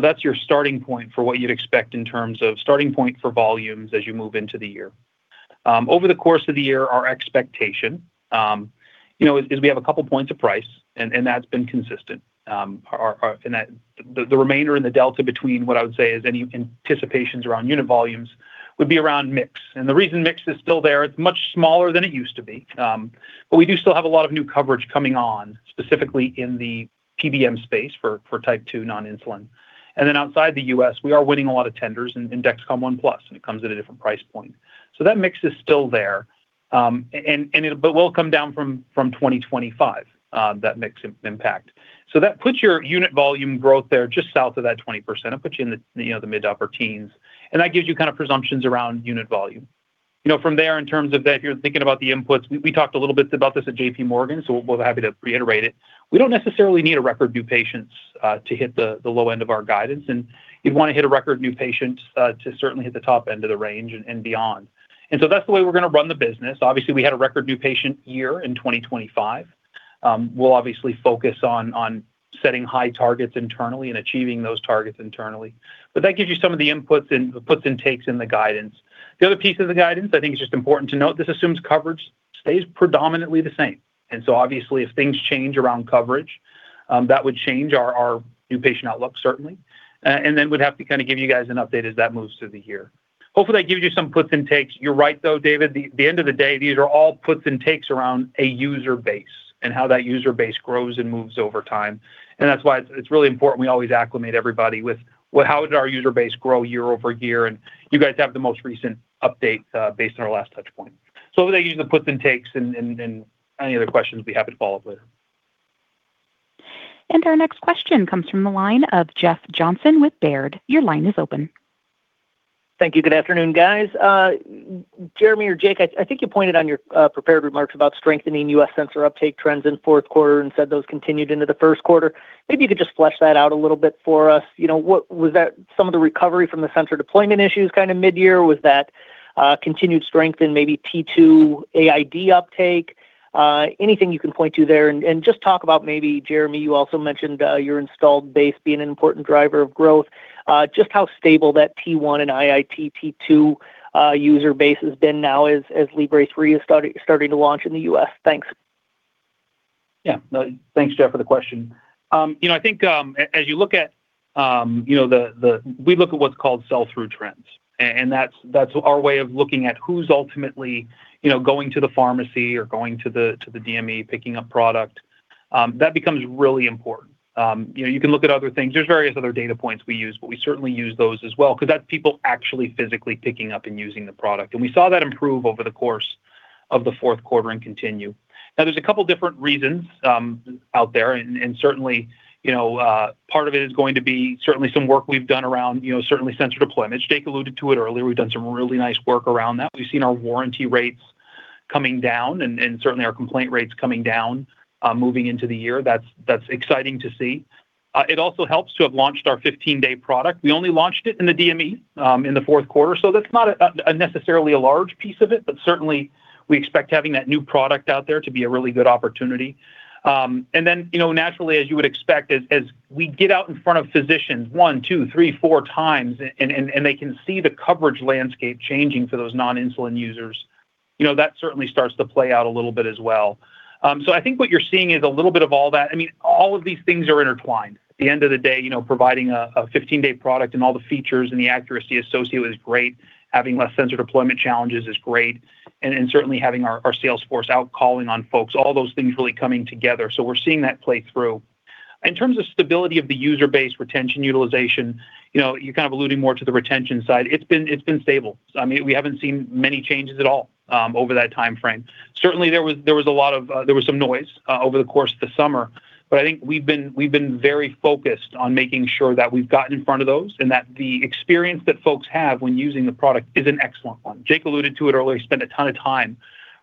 That's your starting point for what you'd expect in terms of starting point for volumes as you move into the year. Over the course of the year, our expectation, you know, is we have a couple of points of price, and that's been consistent. The remainder in the delta between what I would say is any anticipations around unit volumes would be around mix. The reason mix is still there, it's much smaller than it used to be, but we do still have a lot of new coverage coming on, specifically in the PBM space for Type 2 non-insulin. Then outside the U.S., we are winning a lot of tenders in Dexcom ONE+, and it comes at a different price point. That mix is still there, but will come down from 2025, that mix impact. So that puts your unit volume growth there just south of that 20%. It puts you in the, you know, the mid-upper teens, and that gives you kind of presumptions around unit volume. You know, from there, in terms of that, you're thinking about the inputs. We talked a little bit about this at JPMorgan, so we're happy to reiterate it. We don't necessarily need a record new patients to hit the low end of our guidance, and you'd want to hit a record new patients to certainly hit the top end of the range and beyond. And so that's the way we're going to run the business. Obviously, we had a record new patient year in 2025. We'll obviously focus on setting high targets internally and achieving those targets internally. But that gives you some of the inputs and the puts and takes in the guidance. The other piece of the guidance, I think it's just important to note, this assumes coverage stays predominantly the same. And so obviously, if things change around coverage, that would change our new patient outlook, certainly. And then we'd have to kind of give you guys an update as that moves through the year. Hopefully, that gives you some puts and takes. You're right, though, David, the end of the day, these are all puts and takes around a user base and how that user base grows and moves over time. And that's why it's, it's really important we always acclimate everybody with what, how did our user base grow year-over-year, and you guys have the most recent update based on our last touch point. So with that, use the puts and takes, and any other questions, be happy to follow up with. Our next question comes from the line of Jeff Johnson with Baird. Your line is open. Thank you. Good afternoon, guys. Jereme or Jake, I think you pointed on your prepared remarks about strengthening U.S. sensor uptake trends in fourth quarter and said those continued into the first quarter. Maybe you could just flesh that out a little bit for us. You know, what was that some of the recovery from the sensor deployment issues mid-year? Was that continued strength in maybe T2, AID uptake? Anything you can point to there. And just talk about maybe, Jereme, you also mentioned your installed base being an important driver of growth. Just how stable that T1 and IIT2 user base has been now as Libre 3 is starting to launch in the U.S. Thanks. Yeah. Thanks, Jeff, for the question. You know, I think, as you look at, you know, we look at what's called sell-through trends, and that's our way of looking at who's ultimately, you know, going to the pharmacy or going to the DME, picking up product. That becomes really important. You know, you can look at other things. There's various other data points we use, but we certainly use those as well because that's people actually physically picking up and using the product. And we saw that improve over the course of the fourth quarter and continue. Now, there's a couple different reasons out there, and certainly, you know, part of it is going to be certainly some work we've done around, you know, certainly sensor deployment. Jake alluded to it earlier. We've done some really nice work around that. We've seen our warranty rates coming down and certainly our complaint rates coming down, moving into the year. That's exciting to see. It also helps to have launched our 15-Day product. We only launched it in the DME in the fourth quarter, so that's not necessarily a large piece of it, but certainly we expect having that new product out there to be a really good opportunity. And then, you know, naturally, as you would expect, as we get out in front of physicians one, two, three, four times, and they can see the coverage landscape changing for those non-insulin users, you know, that certainly starts to play out a little bit as well. So I think what you're seeing is a little bit of all that. I mean, all of these things are intertwined. At the end of the day, you know, providing a 15-Day product and all the features and the accuracy associated is great. Having less sensor deployment challenges is great, and certainly having our sales force out calling on folks, all those things really coming together. So we're seeing that play through. In terms of stability of the user base, retention, utilization, you know, you're kind of alluding more to the retention side. It's been stable. I mean, we haven't seen many changes at all over that timeframe. Certainly, there was a lot of noise over the course of the summer, but I think we've been very focused on making sure that we've gotten in front of those, and that the experience that folks have when using the product is an excellent one. Jake alluded to it earlier, spent a ton of time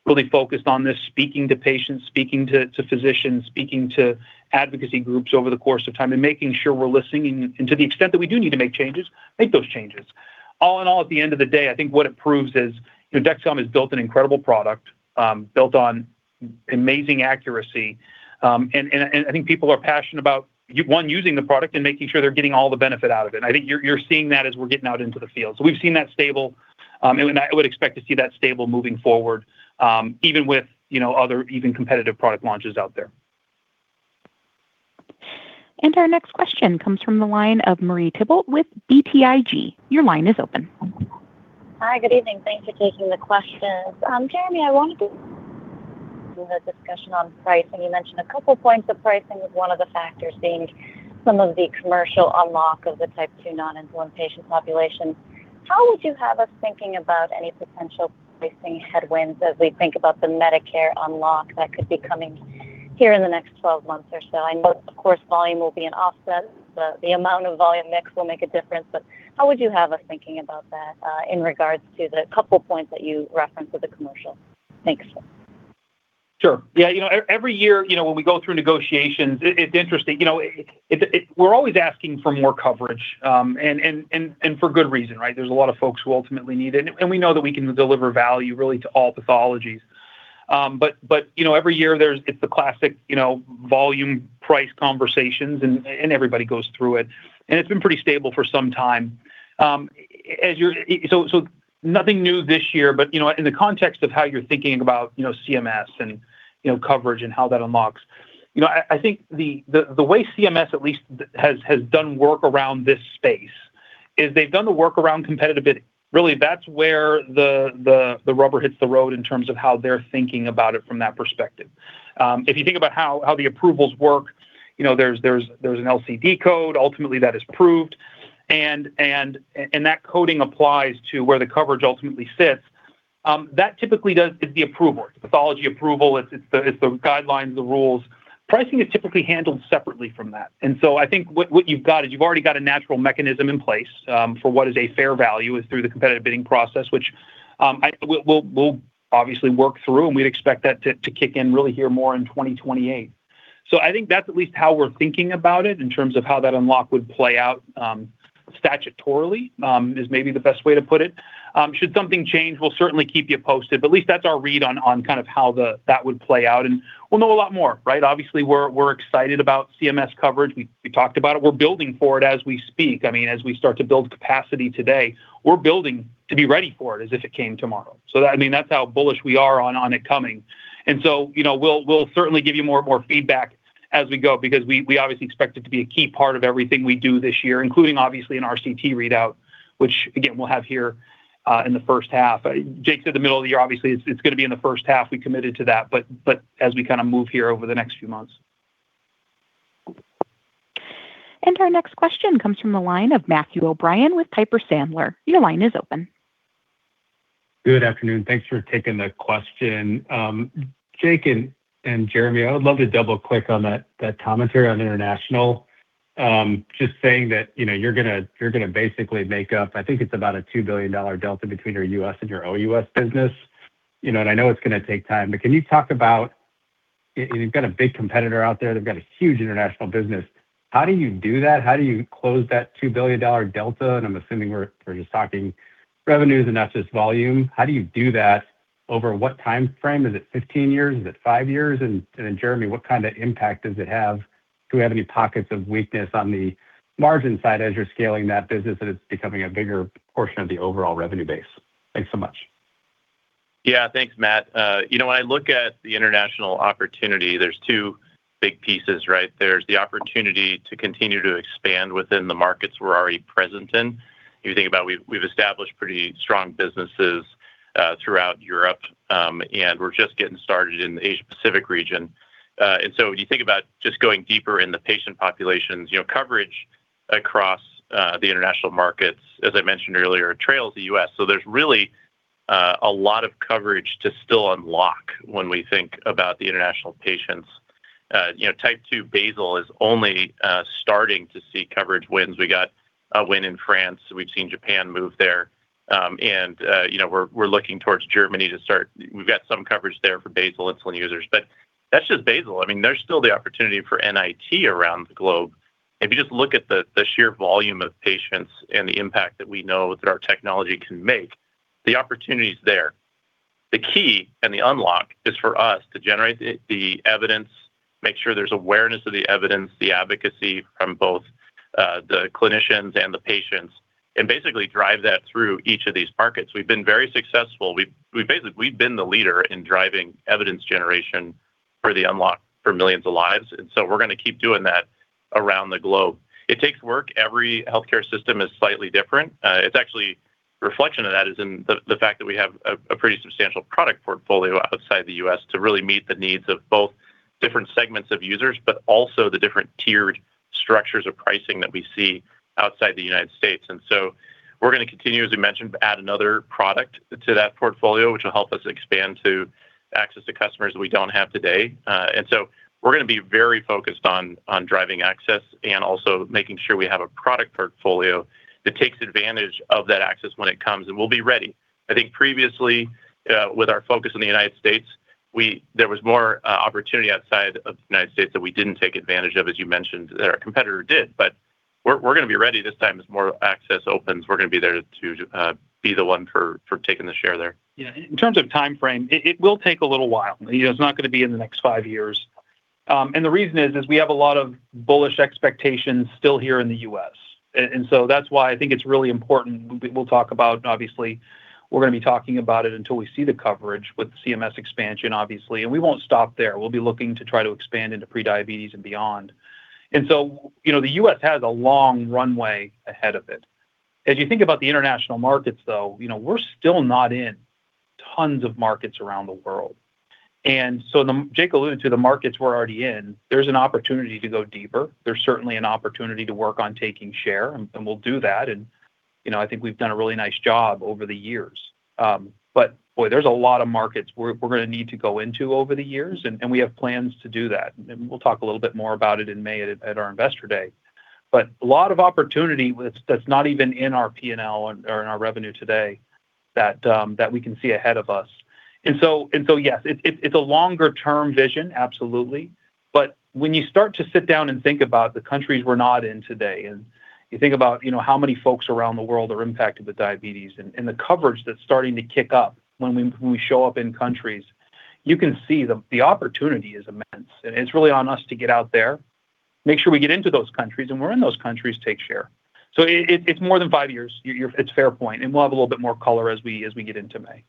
really focused on this, speaking to patients, speaking to physicians, speaking to advocacy groups over the course of time, and making sure we're listening, and to the extent that we do need to make changes, make those changes. All in all, at the end of the day, I think what it proves is, you know, Dexcom has built an incredible product, built on amazing accuracy, and I think people are passionate about, one, using the product and making sure they're getting all the benefit out of it. I think you're seeing that as we're getting out into the field. So we've seen that stable, and I would expect to see that stable moving forward, even with, you know, other even competitive product launches out there. Our next question comes from the line of Marie Thibault with BTIG. Your line is open. Hi, good evening. Thanks for taking the questions. Jereme, I wanted to do the discussion on pricing. You mentioned a couple points of pricing as one of the factors being some of the commercial unlock of the Type 2 non-insulin patient population. How would you have us thinking about any potential pricing headwinds as we think about the Medicare unlock that could be coming here in the next 12 months or so? I know, of course, volume will be an offset, the amount of volume mix will make a difference, but how would you have us thinking about that in regards to the couple of points that you referenced with the commercial? Thanks. Sure. Yeah, you know, every year, you know, when we go through negotiations, it's interesting. You know, we're always asking for more coverage for good reason, right? There's a lot of folks who ultimately need it, and we know that we can deliver value really to all pathologies. But, you know, every year it's the classic, you know, volume price conversations, and everybody goes through it, and it's been pretty stable for some time. So nothing new this year, but, you know, in the context of how you're thinking about, you know, CMS and, you know, coverage and how that unlocks. You know, I think the way CMS at least has done work around this space is they've done the work around competitive bid. Really, that's where the rubber hits the road in terms of how they're thinking about it from that perspective. If you think about how the approvals work, you know, there's an LCD code ultimately that is approved, and that coding applies to where the coverage ultimately sits. That typically is the approval, policy approval, it's the guidelines, the rules. Pricing is typically handled separately from that. And so I think what you've got is you've already got a natural mechanism in place, for what is a fair value is through the competitive bidding process, which, we'll obviously work through, and we'd expect that to kick in really here more in 2028. So I think that's at least how we're thinking about it in terms of how that unlock would play out, statutorily, is maybe the best way to put it. Should something change, we'll certainly keep you posted, but at least that's our read on, on kind of how that would play out, and we'll know a lot more, right? Obviously, we're excited about CMS coverage. We talked about it. We're building for it as we speak. I mean, as we start to build capacity today, we're building to be ready for it as if it came tomorrow. So that, I mean, that's how bullish we are on, on it coming. And so, you know, we'll certainly give you more feedback as we go because we obviously expect it to be a key part of everything we do this year, including obviously an RCT readout, which again, we'll have here in the first half. Jake said the middle of the year. Obviously, it's gonna be in the first half. We committed to that, but as we kind of move here over the next few months. Our next question comes from the line of Matthew O'Brien with Piper Sandler. Your line is open. Good afternoon. Thanks for taking the question. Jake and Jereme, I would love to double-click on that, that commentary on international. Just saying that, you know, you're gonna, you're gonna basically make up I think it's about a $2 billion delta between your U.S. and your OUS business. You know, and I know it's gonna take time, but can you talk about, you've got a big competitor out there. They've got a huge international business. How do you do that? How do you close that $2 billion delta? And I'm assuming we're, we're just talking revenues and not just volume. How do you do that? Over what timeframe? Is it 15 years? Is it five years? And then, Jereme, what kind of impact does it have? Do we have any pockets of weakness on the margin side as you're scaling that business, and it's becoming a bigger portion of the overall revenue base? Thanks so much. Yeah. Thanks, Matt. You know, when I look at the international opportunity, there's two big pieces, right? There's the opportunity to continue to expand within the markets we're already present in. You think about, we've established pretty strong businesses throughout Europe, and we're just getting started in the Asia Pacific region. And so when you think about just going deeper in the patient populations, you know, coverage across the international markets, as I mentioned earlier, trails the U.S. So there's really a lot of coverage to still unlock when we think about the international patients. You know, Type 2 basal is only starting to see coverage wins. We got a win in France. We've seen Japan move there, and you know, we're looking towards Germany to start. We've got some coverage there for basal insulin users, but that's just basal. I mean, there's still the opportunity for NIT around the globe. If you just look at the sheer volume of patients and the impact that we know that our technology can make, the opportunity is there. The key and the unlock is for us to generate the evidence, make sure there's awareness of the evidence, the advocacy from both the clinicians and the patients, and basically drive that through each of these markets. We've been very successful. We basically have been the leader in driving evidence generation for the unlock for millions of lives, and so we're gonna keep doing that around the globe. It takes work. Every healthcare system is slightly different. It's actually reflection of that is in the fact that we have a pretty substantial product portfolio outside the U.S. to really meet the needs of both different segments of users, but also the different tiered structures of pricing that we see outside the United States. And so we're gonna continue, as we mentioned, to add another product to that portfolio, which will help us expand to access to customers we don't have today. And so we're gonna be very focused on driving access and also making sure we have a product portfolio that takes advantage of that access when it comes, and we'll be ready. I think previously, with our focus on the United States, there was more opportunity outside of the United States that we didn't take advantage of, as you mentioned, that our competitor did. But we're gonna be ready this time. As more access opens, we're gonna be there to be the one for taking the share there. Yeah, in terms of timeframe, it will take a little while. You know, it's not gonna be in the next five years. And the reason is we have a lot of bullish expectations still here in the U.S. And so that's why I think it's really important. We'll talk about, obviously, we're gonna be talking about it until we see the coverage with the CMS expansion, obviously. And we won't stop there. We'll be looking to try to expand into pre-diabetes and beyond. And so, you know, the U.S. has a long runway ahead of it. As you think about the international markets, though, you know, we're still not in tons of markets around the world. And so Jake alluded to the markets we're already in. There's an opportunity to go deeper. There's certainly an opportunity to work on taking share, and we'll do that. And, you know, I think we've done a really nice job over the years. But, boy, there's a lot of markets we're gonna need to go into over the years, and we have plans to do that. And we'll talk a little bit more about it in May at our Investor Day. But a lot of opportunity with that's not even in our P&L or in our revenue today, that we can see ahead of us. And so, yes, it's a longer term vision, absolutely. But when you start to sit down and think about the countries we're not in today, and you think about, you know, how many folks around the world are impacted with diabetes and the coverage that's starting to kick up when we show up in countries, you can see the opportunity is immense, and it's really on us to get out there, make sure we get into those countries, and when we're in those countries, take share. So it's more than 5 years. It's a fair point, and we'll have a little bit more color as we get into May.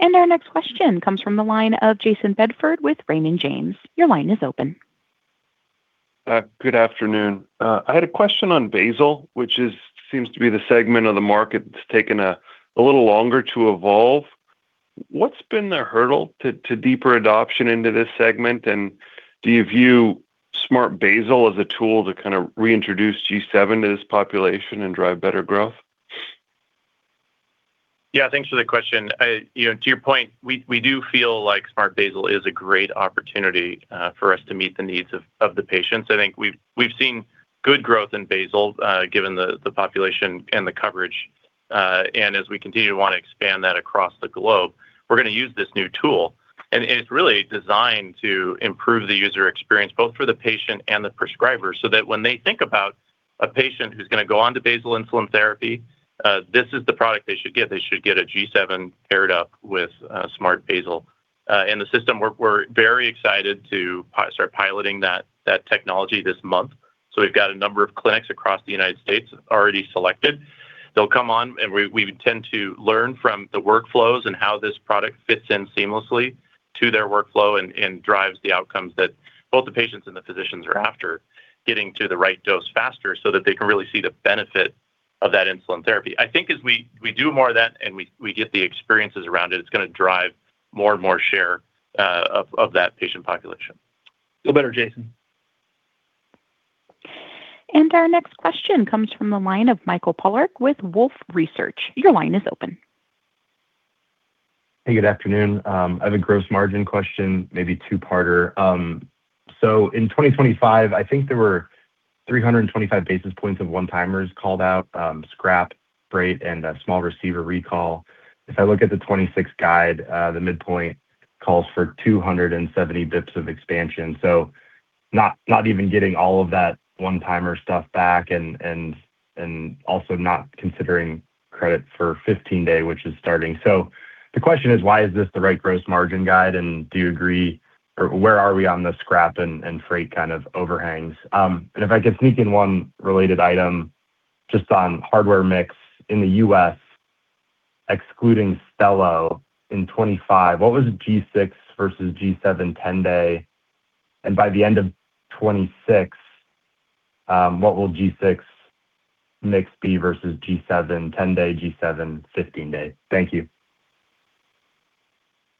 Our next question comes from the line of Jayson Bedford with Raymond James. Your line is open. Good afternoon. I had a question on basal, which seems to be the segment of the market that's taken a little longer to evolve. What's been the hurdle to deeper adoption into this segment? And do you view smart basal as a tool to kind of reintroduce G7 to this population and drive better growth? Yeah, thanks for the question. You know, to your point, we do feel like Smart Basal is a great opportunity for us to meet the needs of the patients. I think we've seen good growth in basal, given the population and the coverage, and as we continue to want to expand that across the globe, we're gonna use this new tool. And it's really designed to improve the user experience, both for the patient and the prescriber, so that when they think about a patient who's gonna go on to basal insulin therapy, this is the product they should get. They should get a G7 paired up with Smart Basal. And the system, we're very excited to start piloting that technology this month. So we've got a number of clinics across the United States already selected. They'll come on, and we intend to learn from the workflows and how this product fits in seamlessly to their workflow and drives the outcomes that both the patients and the physicians are after, getting to the right dose faster so that they can really see the benefit of that insulin therapy. I think as we do more of that and we get the experiences around it, it's gonna drive more and more share of that patient population. Feel better, Jereme. Our next question comes from the line of Michael Polark with Wolfe Research. Your line is open. Hey, good afternoon. I have a gross margin question, maybe a two-parter. So in 2025, I think there were 325 basis points of one-timers called out, scrap, freight, and a small receiver recall. If I look at the 2026 guide, the midpoint calls for 270 bps of expansion. So not even getting all of that one-timer stuff back and also not considering credit for 15-Day, which is starting. So the question is, why is this the right gross margin guide, and do you agree or where are we on the scrap and freight kind of overhangs? And if I could sneak in one related item, just on hardware mix in the U.S., excluding Stelo in 2025, what was G6 versus G7 10-Day? By the end of 2026, what will G6 mix be versus G7 10-Day, G7 15-Day? Thank you.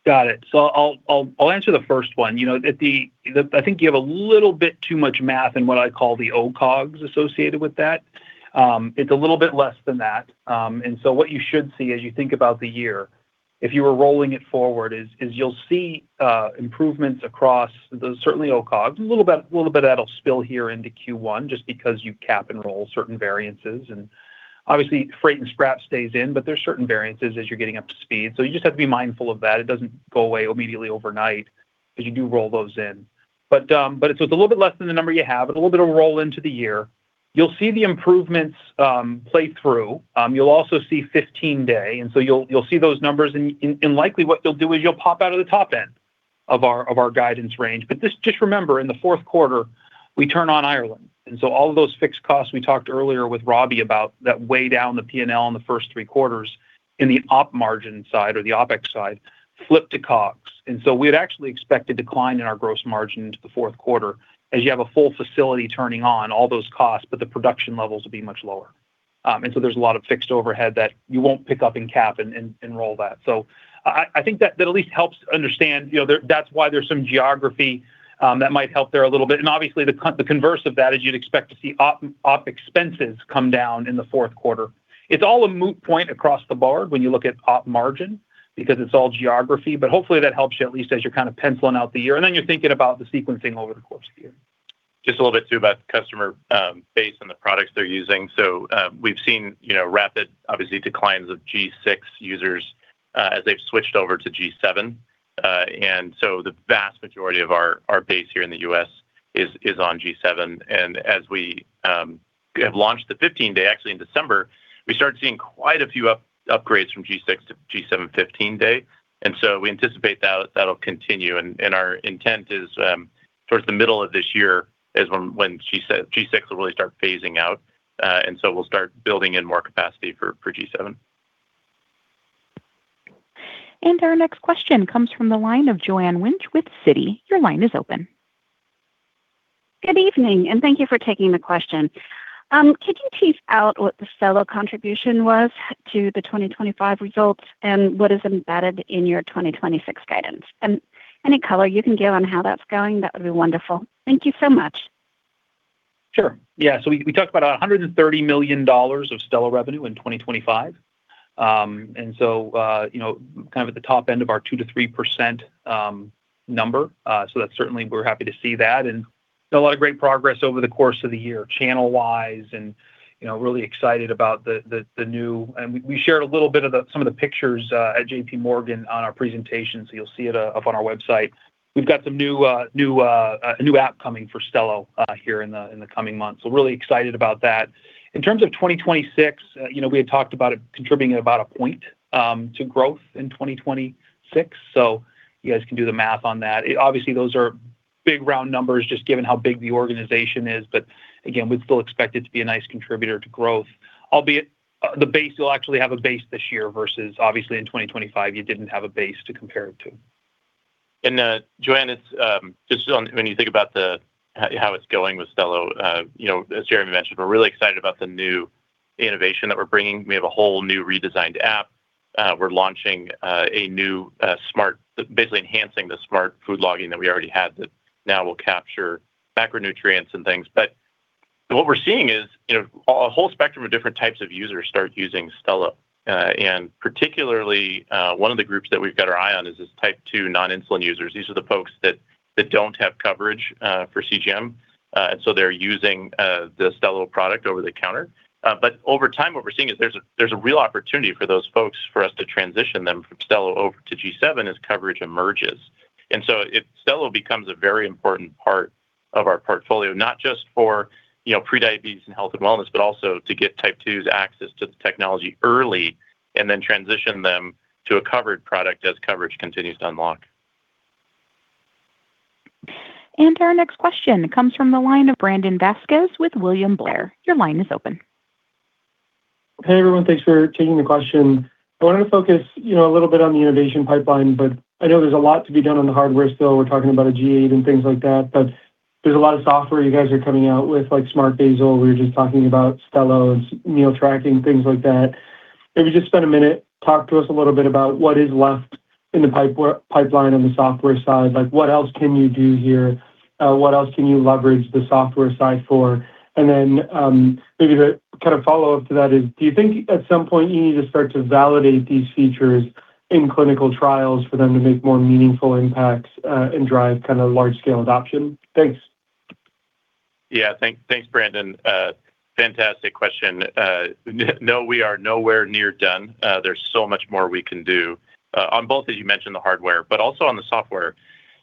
Got it. So I'll answer the first one. You know, at the, I think you have a little bit too much math in what I call the O-COGS associated with that. It's a little bit less than that. And so what you should see as you think about the year, if you were rolling it forward, is you'll see improvements across, certainly O-COGS. A little bit, little bit of that'll spill here into Q1 just because you cap and roll certain variances. And obviously, freight and scrap stays in, but there are certain variances as you're getting up to speed. So you just have to be mindful of that. It doesn't go away immediately overnight as you do roll those in. But it's a little bit less than the number you have. It's a little bit of a roll into the year. You'll see the improvements play through. You'll also see 15 day, and so you'll see those numbers. And likely what you'll do is you'll pop out of the top end of our guidance range. But just remember, in the fourth quarter, we turn on Ireland. And so all of those fixed costs we talked earlier with Robbie about, that weigh down the PNL in the first three quarters in the op margin side or the OpEx side, flip to COGS. And so we'd actually expect a decline in our gross margin into the fourth quarter. As you have a full facility turning on all those costs, but the production levels will be much lower. And so there's a lot of fixed overhead that you won't pick up in CapEx and roll that. So I think that at least helps understand, you know, that's why there's some geography that might help there a little bit. And obviously, the converse of that is you'd expect to see OpEx come down in the fourth quarter. It's all a moot point across the board when you look at Op margin because it's all geography, but hopefully, that helps you, at least as you're kind of penciling out the year, and then you're thinking about the sequencing over the course of the year. Just a little bit, too, about the customer base and the products they're using. So, we've seen, you know, rapid, obviously, declines of G6 users as they've switched over to G7. And so the vast majority of our base here in the U.S. is on G7. And as we have launched the 15-Day actually in December. We started seeing quite a few upgrades from G6 to G7 15-Day, and so we anticipate that'll continue. Our intent is, towards the middle of this year is when G6 will really start phasing out, and so we'll start building in more capacity for G7. Our next question comes from the line of Joanne Wuensch with Citi. Your line is open. Good evening, and thank you for taking the question. Could you tease out what the Stelo contribution was to the 2025 results and what is embedded in your 2026 guidance? Any color you can give on how that's going, that would be wonderful. Thank you so much. Sure. Yeah. So we talked about $130 million of Stelo revenue in 2025. And so, you know, kind of at the top end of our 2%-3% number, so that certainly we're happy to see that. And a lot of great progress over the course of the year, channel-wise, and, you know, really excited about the new and we shared a little bit about some of the pictures at JPMorgan on our presentation, so you'll see it up on our website. We've got some new, a new app coming for Stelo here in the coming months. So really excited about that. In terms of 2026, you know, we had talked about it contributing about a point to growth in 2026, so you guys can do the math on that. Obviously, those are big round numbers, just given how big the organization is, but again, we still expect it to be a nice contributor to growth, albeit the base will actually have a base this year versus obviously in 2025, you didn't have a base to compare it to. Joanne, it's just on when you think about the, how it's going with Stelo, you know, as Jeremy mentioned, we're really excited about the new innovation that we're bringing. We have a whole new redesigned app. We're launching a new smart, basically enhancing the smart food logging that we already had that now will capture macronutrients and things. But what we're seeing is, you know, a whole spectrum of different types of users start using Stelo. And particularly, one of the groups that we've got our eye on is this Type 2 non-insulin users. These are the folks that don't have coverage for CGM, and so they're using the Stelo product over the counter. But over time, what we're seeing is there's a real opportunity for those folks, for us to transition them from Stelo over to G7 as coverage emerges. And so, Stelo becomes a very important part of our portfolio, not just for, you know, prediabetes and health and wellness, but also to get Type 2s access to the technology early and then transition them to a covered product as coverage continues to unlock. Our next question comes from the line of Brandon Vazquez with William Blair. Your line is open. Hey, everyone. Thanks for taking the question. I wanted to focus, you know, a little bit on the innovation pipeline, but I know there's a lot to be done on the hardware still. We're talking about a G8 and things like that, but there's a lot of software you guys are coming out with, like Smart Basal. We were just talking about Stelo's meal tracking, things like that. Maybe just spend a minute, talk to us a little bit about what is left in the pipeline on the software side. Like, what else can you do here? What else can you leverage the software side for? And then, maybe the kind of follow-up to that is, do you think at some point you need to start to validate these features in clinical trials for them to make more meaningful impacts, and drive kind of large-scale adoption? Thanks. Yeah. Thanks, Brandon. Fantastic question. No, we are nowhere near done. There's so much more we can do on both, as you mentioned, the hardware, but also on the software.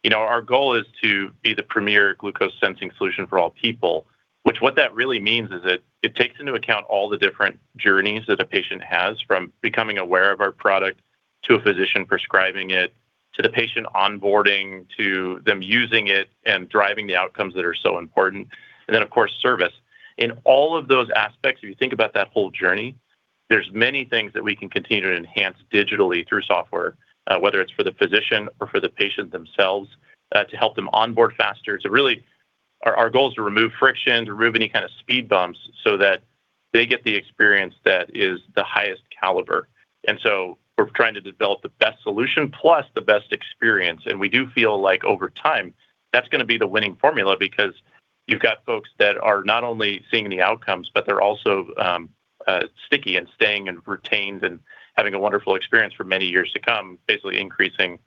You know, our goal is to be the premier glucose sensing solution for all people. Which, what that really means, is that it takes into account all the different journeys that a patient has, from becoming aware of our product, to a physician prescribing it, to the patient onboarding, to them using it and driving the outcomes that are so important, and then, of course, service. In all of those aspects, if you think about that whole journey, there's many things that we can continue to enhance digitally through software, whether it's for the physician or for the patient themselves, to help them onboard faster. To really... Our goal is to remove friction, to remove any kind of speed bumps so that they get the experience that is the highest caliber. So we're trying to develop the best solution plus the best experience. We do feel like over time, that's gonna be the winning formula because you've got folks that are not only seeing the outcomes, but they're also sticky and staying and retained and having a wonderful experience for many years to come, basically increasing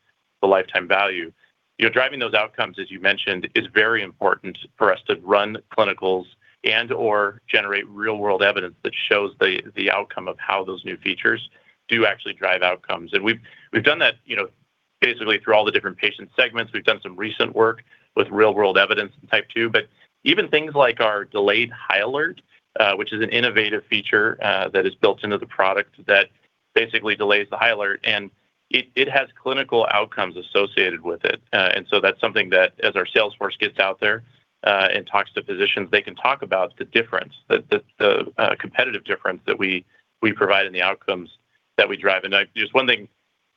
the lifetime value. Driving those outcomes, as you mentioned, is very important for us to run clinicals and/or generate real-world evidence that shows the outcome of how those new features do actually drive outcomes. We've done that, you know, basically through all the different patient segments. We've done some recent work with real-world evidence in Type 2. But even things like our delayed high alert, which is an innovative feature that is built into the product that basically delays the high alert, and it has clinical outcomes associated with it. And so that's something that as our sales force gets out there and talks to physicians, they can talk about the difference, the competitive difference that we provide and the outcomes that we drive. And there's one thing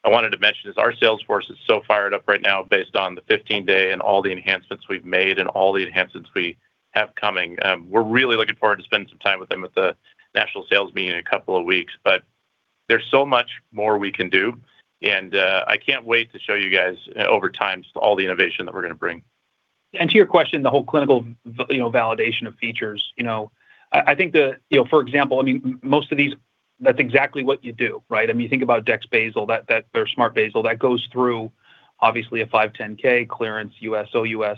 I wanted to mention, is our sales force is so fired up right now based on the 15-day and all the enhancements we've made and all the enhancements we have coming. We're really looking forward to spending some time with them at the national sales meeting in a couple of weeks. But there's so much more we can do, and I can't wait to show you guys over time, all the innovation that we're gonna bring. To your question, the whole clinical validation of features, you know, I think the... You know, for example, I mean, most of these, that's exactly what you do, right? I mean, you think about Dex Basal, that or Smart Basal, that goes through obviously a 510(k) clearance, US, OUS.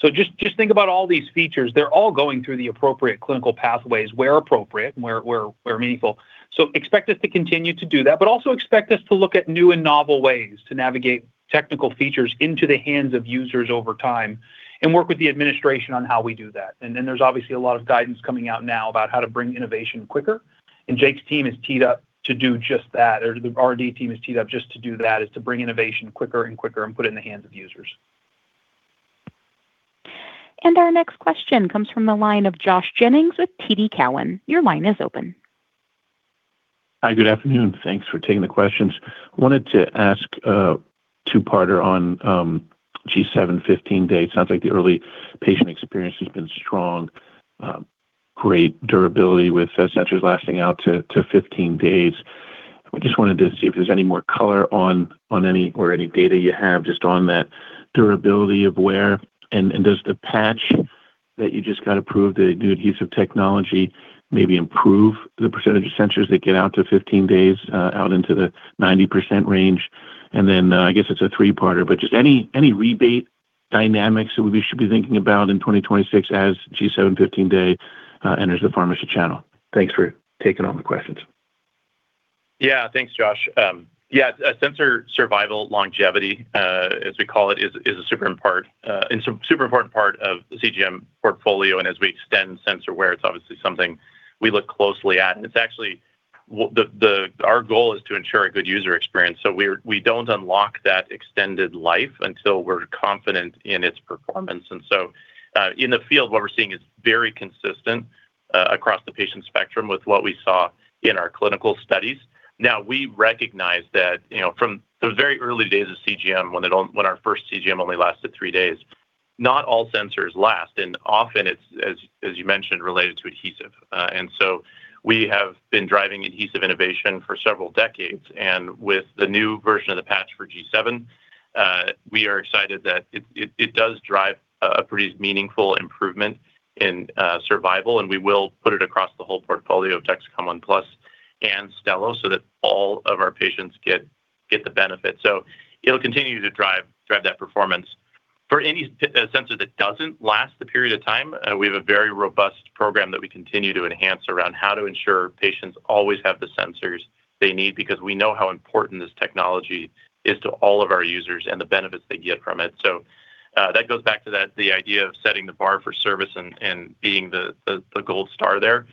So just think about all these features. They're all going through the appropriate clinical pathways where appropriate and where meaningful. So expect us to continue to do that, but also expect us to look at new and novel ways to navigate technical features into the hands of users over time and work with the administration on how we do that. Then there's obviously a lot of guidance coming out now about how to bring innovation quicker, and Jake's team is teed up to do just that, or the R&D team is teed up just to do that, to bring innovation quicker and quicker and put it in the hands of users. Our next question comes from the line of Josh Jennings with TD Cowen. Your line is open. Hi, good afternoon. Thanks for taking the questions. I wanted to ask a two-parter on G7 15-Day. Sounds like the early patient experience has been strong, great durability with sensors lasting out to 15 days. I just wanted to see if there's any more color on any data you have just on that durability of wear. And does the patch that you just got approved, the new adhesive technology, maybe improve the percentage of sensors that get out to 15 days out into the 90% range? And then I guess it's a three-parter, but just any rebate dynamics that we should be thinking about in 2026 as G7 15-Day enters the pharmacy channel? Thanks for taking all the questions. Yeah, thanks, Josh. Yeah, a sensor survival longevity, as we call it, is a super important part of the CGM portfolio. And as we extend sensor wear, it's obviously something we look closely at. And it's actually our goal is to ensure a good user experience, so we don't unlock that extended life until we're confident in its performance. And so, in the field, what we're seeing is very consistent across the patient spectrum with what we saw in our clinical studies. Now, we recognize that, you know, from the very early days of CGM, when our first CGM only lasted three days, not all sensors last. And often it's, as you mentioned, related to adhesive. We have been driving adhesive innovation for several decades, and with the new version of the patch for Dexcom G7, we are excited that it does drive a pretty meaningful improvement in survival, and we will put it across the whole portfolio of Dexcom ONE+ and Stelo so that all of our patients get the benefit. So it'll continue to drive that performance. For any sensor that doesn't last a period of time, we have a very robust program that we continue to enhance around how to ensure patients always have the sensors they need because we know how important this technology is to all of our users and the benefits they get from it. So, that goes back to that, the idea of setting the bar for service and being the gold star there.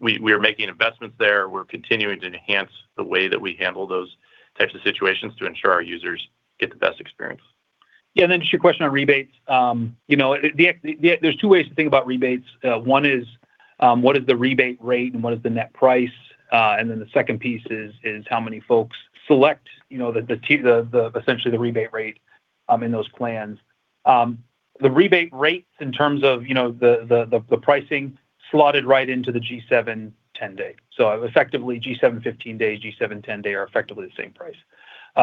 We are making investments there. We're continuing to enhance the way that we handle those types of situations to ensure our users get the best experience. Yeah, and then just your question on rebates. You know, there's two ways to think about rebates. One is, what is the rebate rate and what is the net price? And then the second piece is how many folks select, you know, essentially the rebate rate in those plans. The rebate rates in terms of the pricing slotted right into the G7 10-Day. So effectively, G7 15-Day, G7 10-Day are effectively the same price.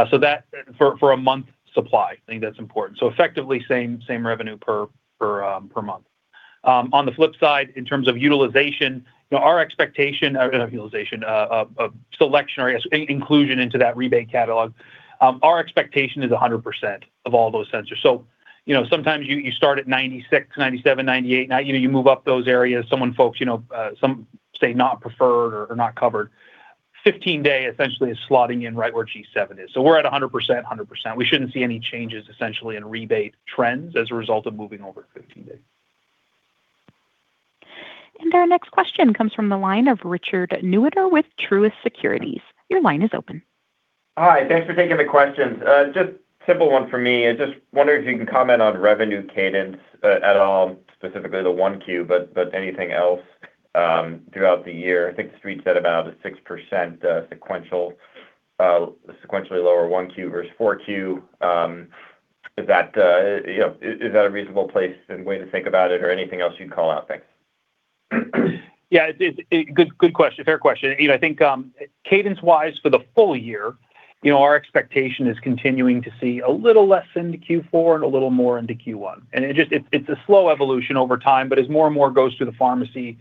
So that for a month supply, I think that's important. So effectively, same revenue per month. On the flip side, in terms of utilization, you know, our expectation or utilization of selection or inclusion into that rebate catalog, our expectation is 100% of all those sensors. So, you know, sometimes you start at 96, 97, 98. Now, you know, you move up those areas, someone folks, you know, some say not preferred or not covered. 15-Day essentially is slotting in right where G7 is. So we're at 100%, 100%. We shouldn't see any changes essentially in rebate trends as a result of moving over to 15-Day. Our next question comes from the line of Richard Newitter with Truist Securities. Your line is open. Hi, thanks for taking the questions. Just a simple one for me. I just wondering if you can comment on revenue cadence at all, specifically the one Q, but anything else throughout the year. I think the Street said about a 6% sequential sequentially lower one Q versus four Q. Is that a reasonable place and way to think about it or anything else you'd call out? Thanks. Yeah. Good, good question. Fair question. You know, I think, cadence-wise, for the full year, you know, our expectation is continuing to see a little less into Q4 and a little more into Q1. And it just, it's a slow evolution over time, but as more and more goes through the pharmacy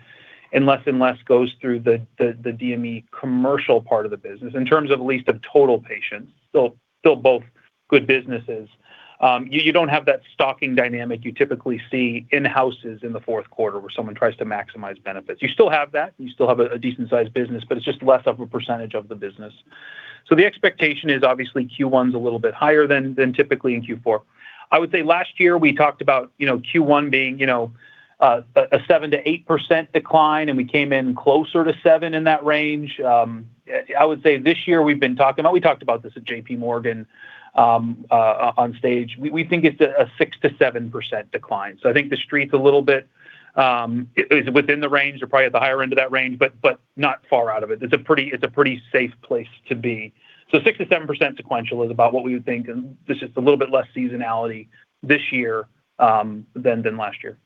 and less and less goes through the DME commercial part of the business, in terms of at least of total patients, still both good businesses. You don't have that stocking dynamic you typically see in houses in the fourth quarter where someone tries to maximize benefits. You still have that, you still have a decent-sized business, but it's just less of a percentage of the business. So the expectation is obviously Q1 is a little bit higher than typically in Q4. I would say last year we talked about, you know, Q1 being, you know, a 7% to 8% decline, and we came in closer toseven in that range. I would say this year we've been talking, and we talked about this at JPMorgan, on stage. We think it's a 6% to 7% decline. So I think the Street's a little bit, it is within the range or probably at the higher end of that range, but not far out of it. It's a pretty safe place to be. So 6%-7% sequential is about what we would think, and there's just a little bit less seasonality this year, than last year.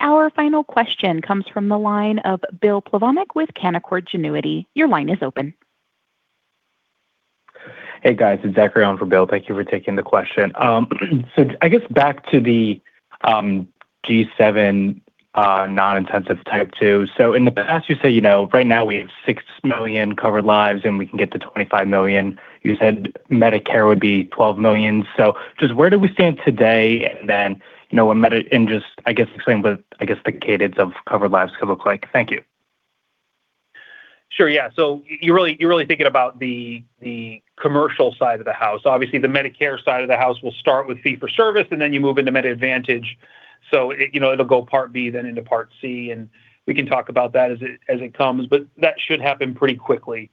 Our final question comes from the line of Bill Plovanic with Canaccord Genuity. Your line is open. Hey, guys, it's Zachary on for Bill. Thank you for taking the question. So I guess back to the G7 non-intensive Type 2. So in the past, you said, you know, right now we have 6 million covered lives, and we can get to 25 million. You said Medicare would be 12 million. So just where do we stand today? And then, you know, in Medicare and just, I guess, explain what, I guess, the cadence of covered lives could look like. Thank you. Sure. Yeah. So you, you're really, you're really thinking about the commercial side of the house. Obviously, the Medicare side of the house will start with fee for service, and then you move into Medicare Advantage. So, you know, it'll go Part B, then into Part C, and we can talk about that as it comes, but that should happen pretty quickly.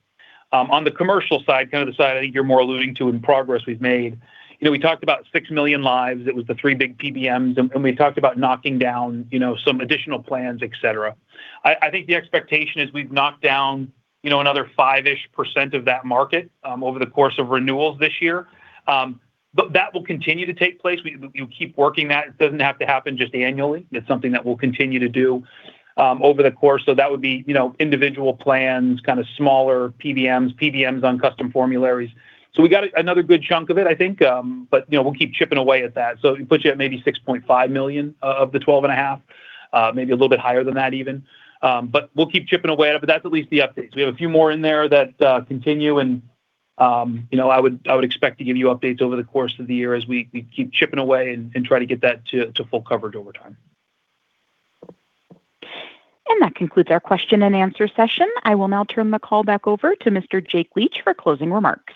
On the commercial side, kind of the side I think you're more alluding to in progress we've made, you know, we talked about 6 million lives. It was the 3 big PBMs, and we talked about knocking down, you know, some additional plans, et cetera. I think the expectation is we've knocked down, you know, another 5-ish% of that market over the course of renewals this year. But that will continue to take place. We'll keep working that. It doesn't have to happen just annually. It's something that we'll continue to do over the course. So that would be, you know, individual plans, kind of smaller PBMs, PBMs on custom formularies. So we got another good chunk of it, I think, but, you know, we'll keep chipping away at that. So it puts you at maybe $6.5 million of the $12.5 million, maybe a little bit higher than that even. But we'll keep chipping away at it, but that's at least the update. So we have a few more in there that continue and, you know, I would expect to give you updates over the course of the year as we keep chipping away and try to get that to full coverage over time. That concludes our question and answer session. I will now turn the call back over to Mr. Jake Leach for closing remarks.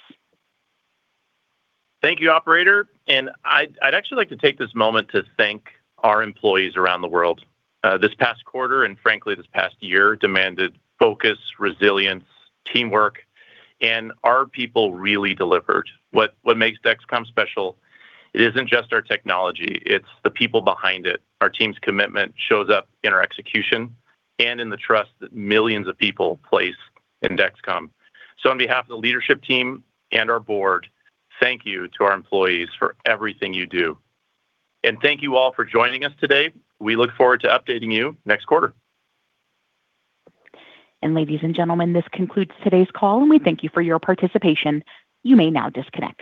Thank you, operator. I'd actually like to take this moment to thank our employees around the world. This past quarter, and frankly, this past year, demanded focus, resilience, teamwork, and our people really delivered. What makes Dexcom special? It isn't just our technology, it's the people behind it. Our team's commitment shows up in our execution and in the trust that millions of people place in Dexcom. So on behalf of the leadership team and our board, thank you to our employees for everything you do. And thank you all for joining us today. We look forward to updating you next quarter. Ladies and gentlemen, this concludes today's call, and we thank you for your participation. You may now disconnect.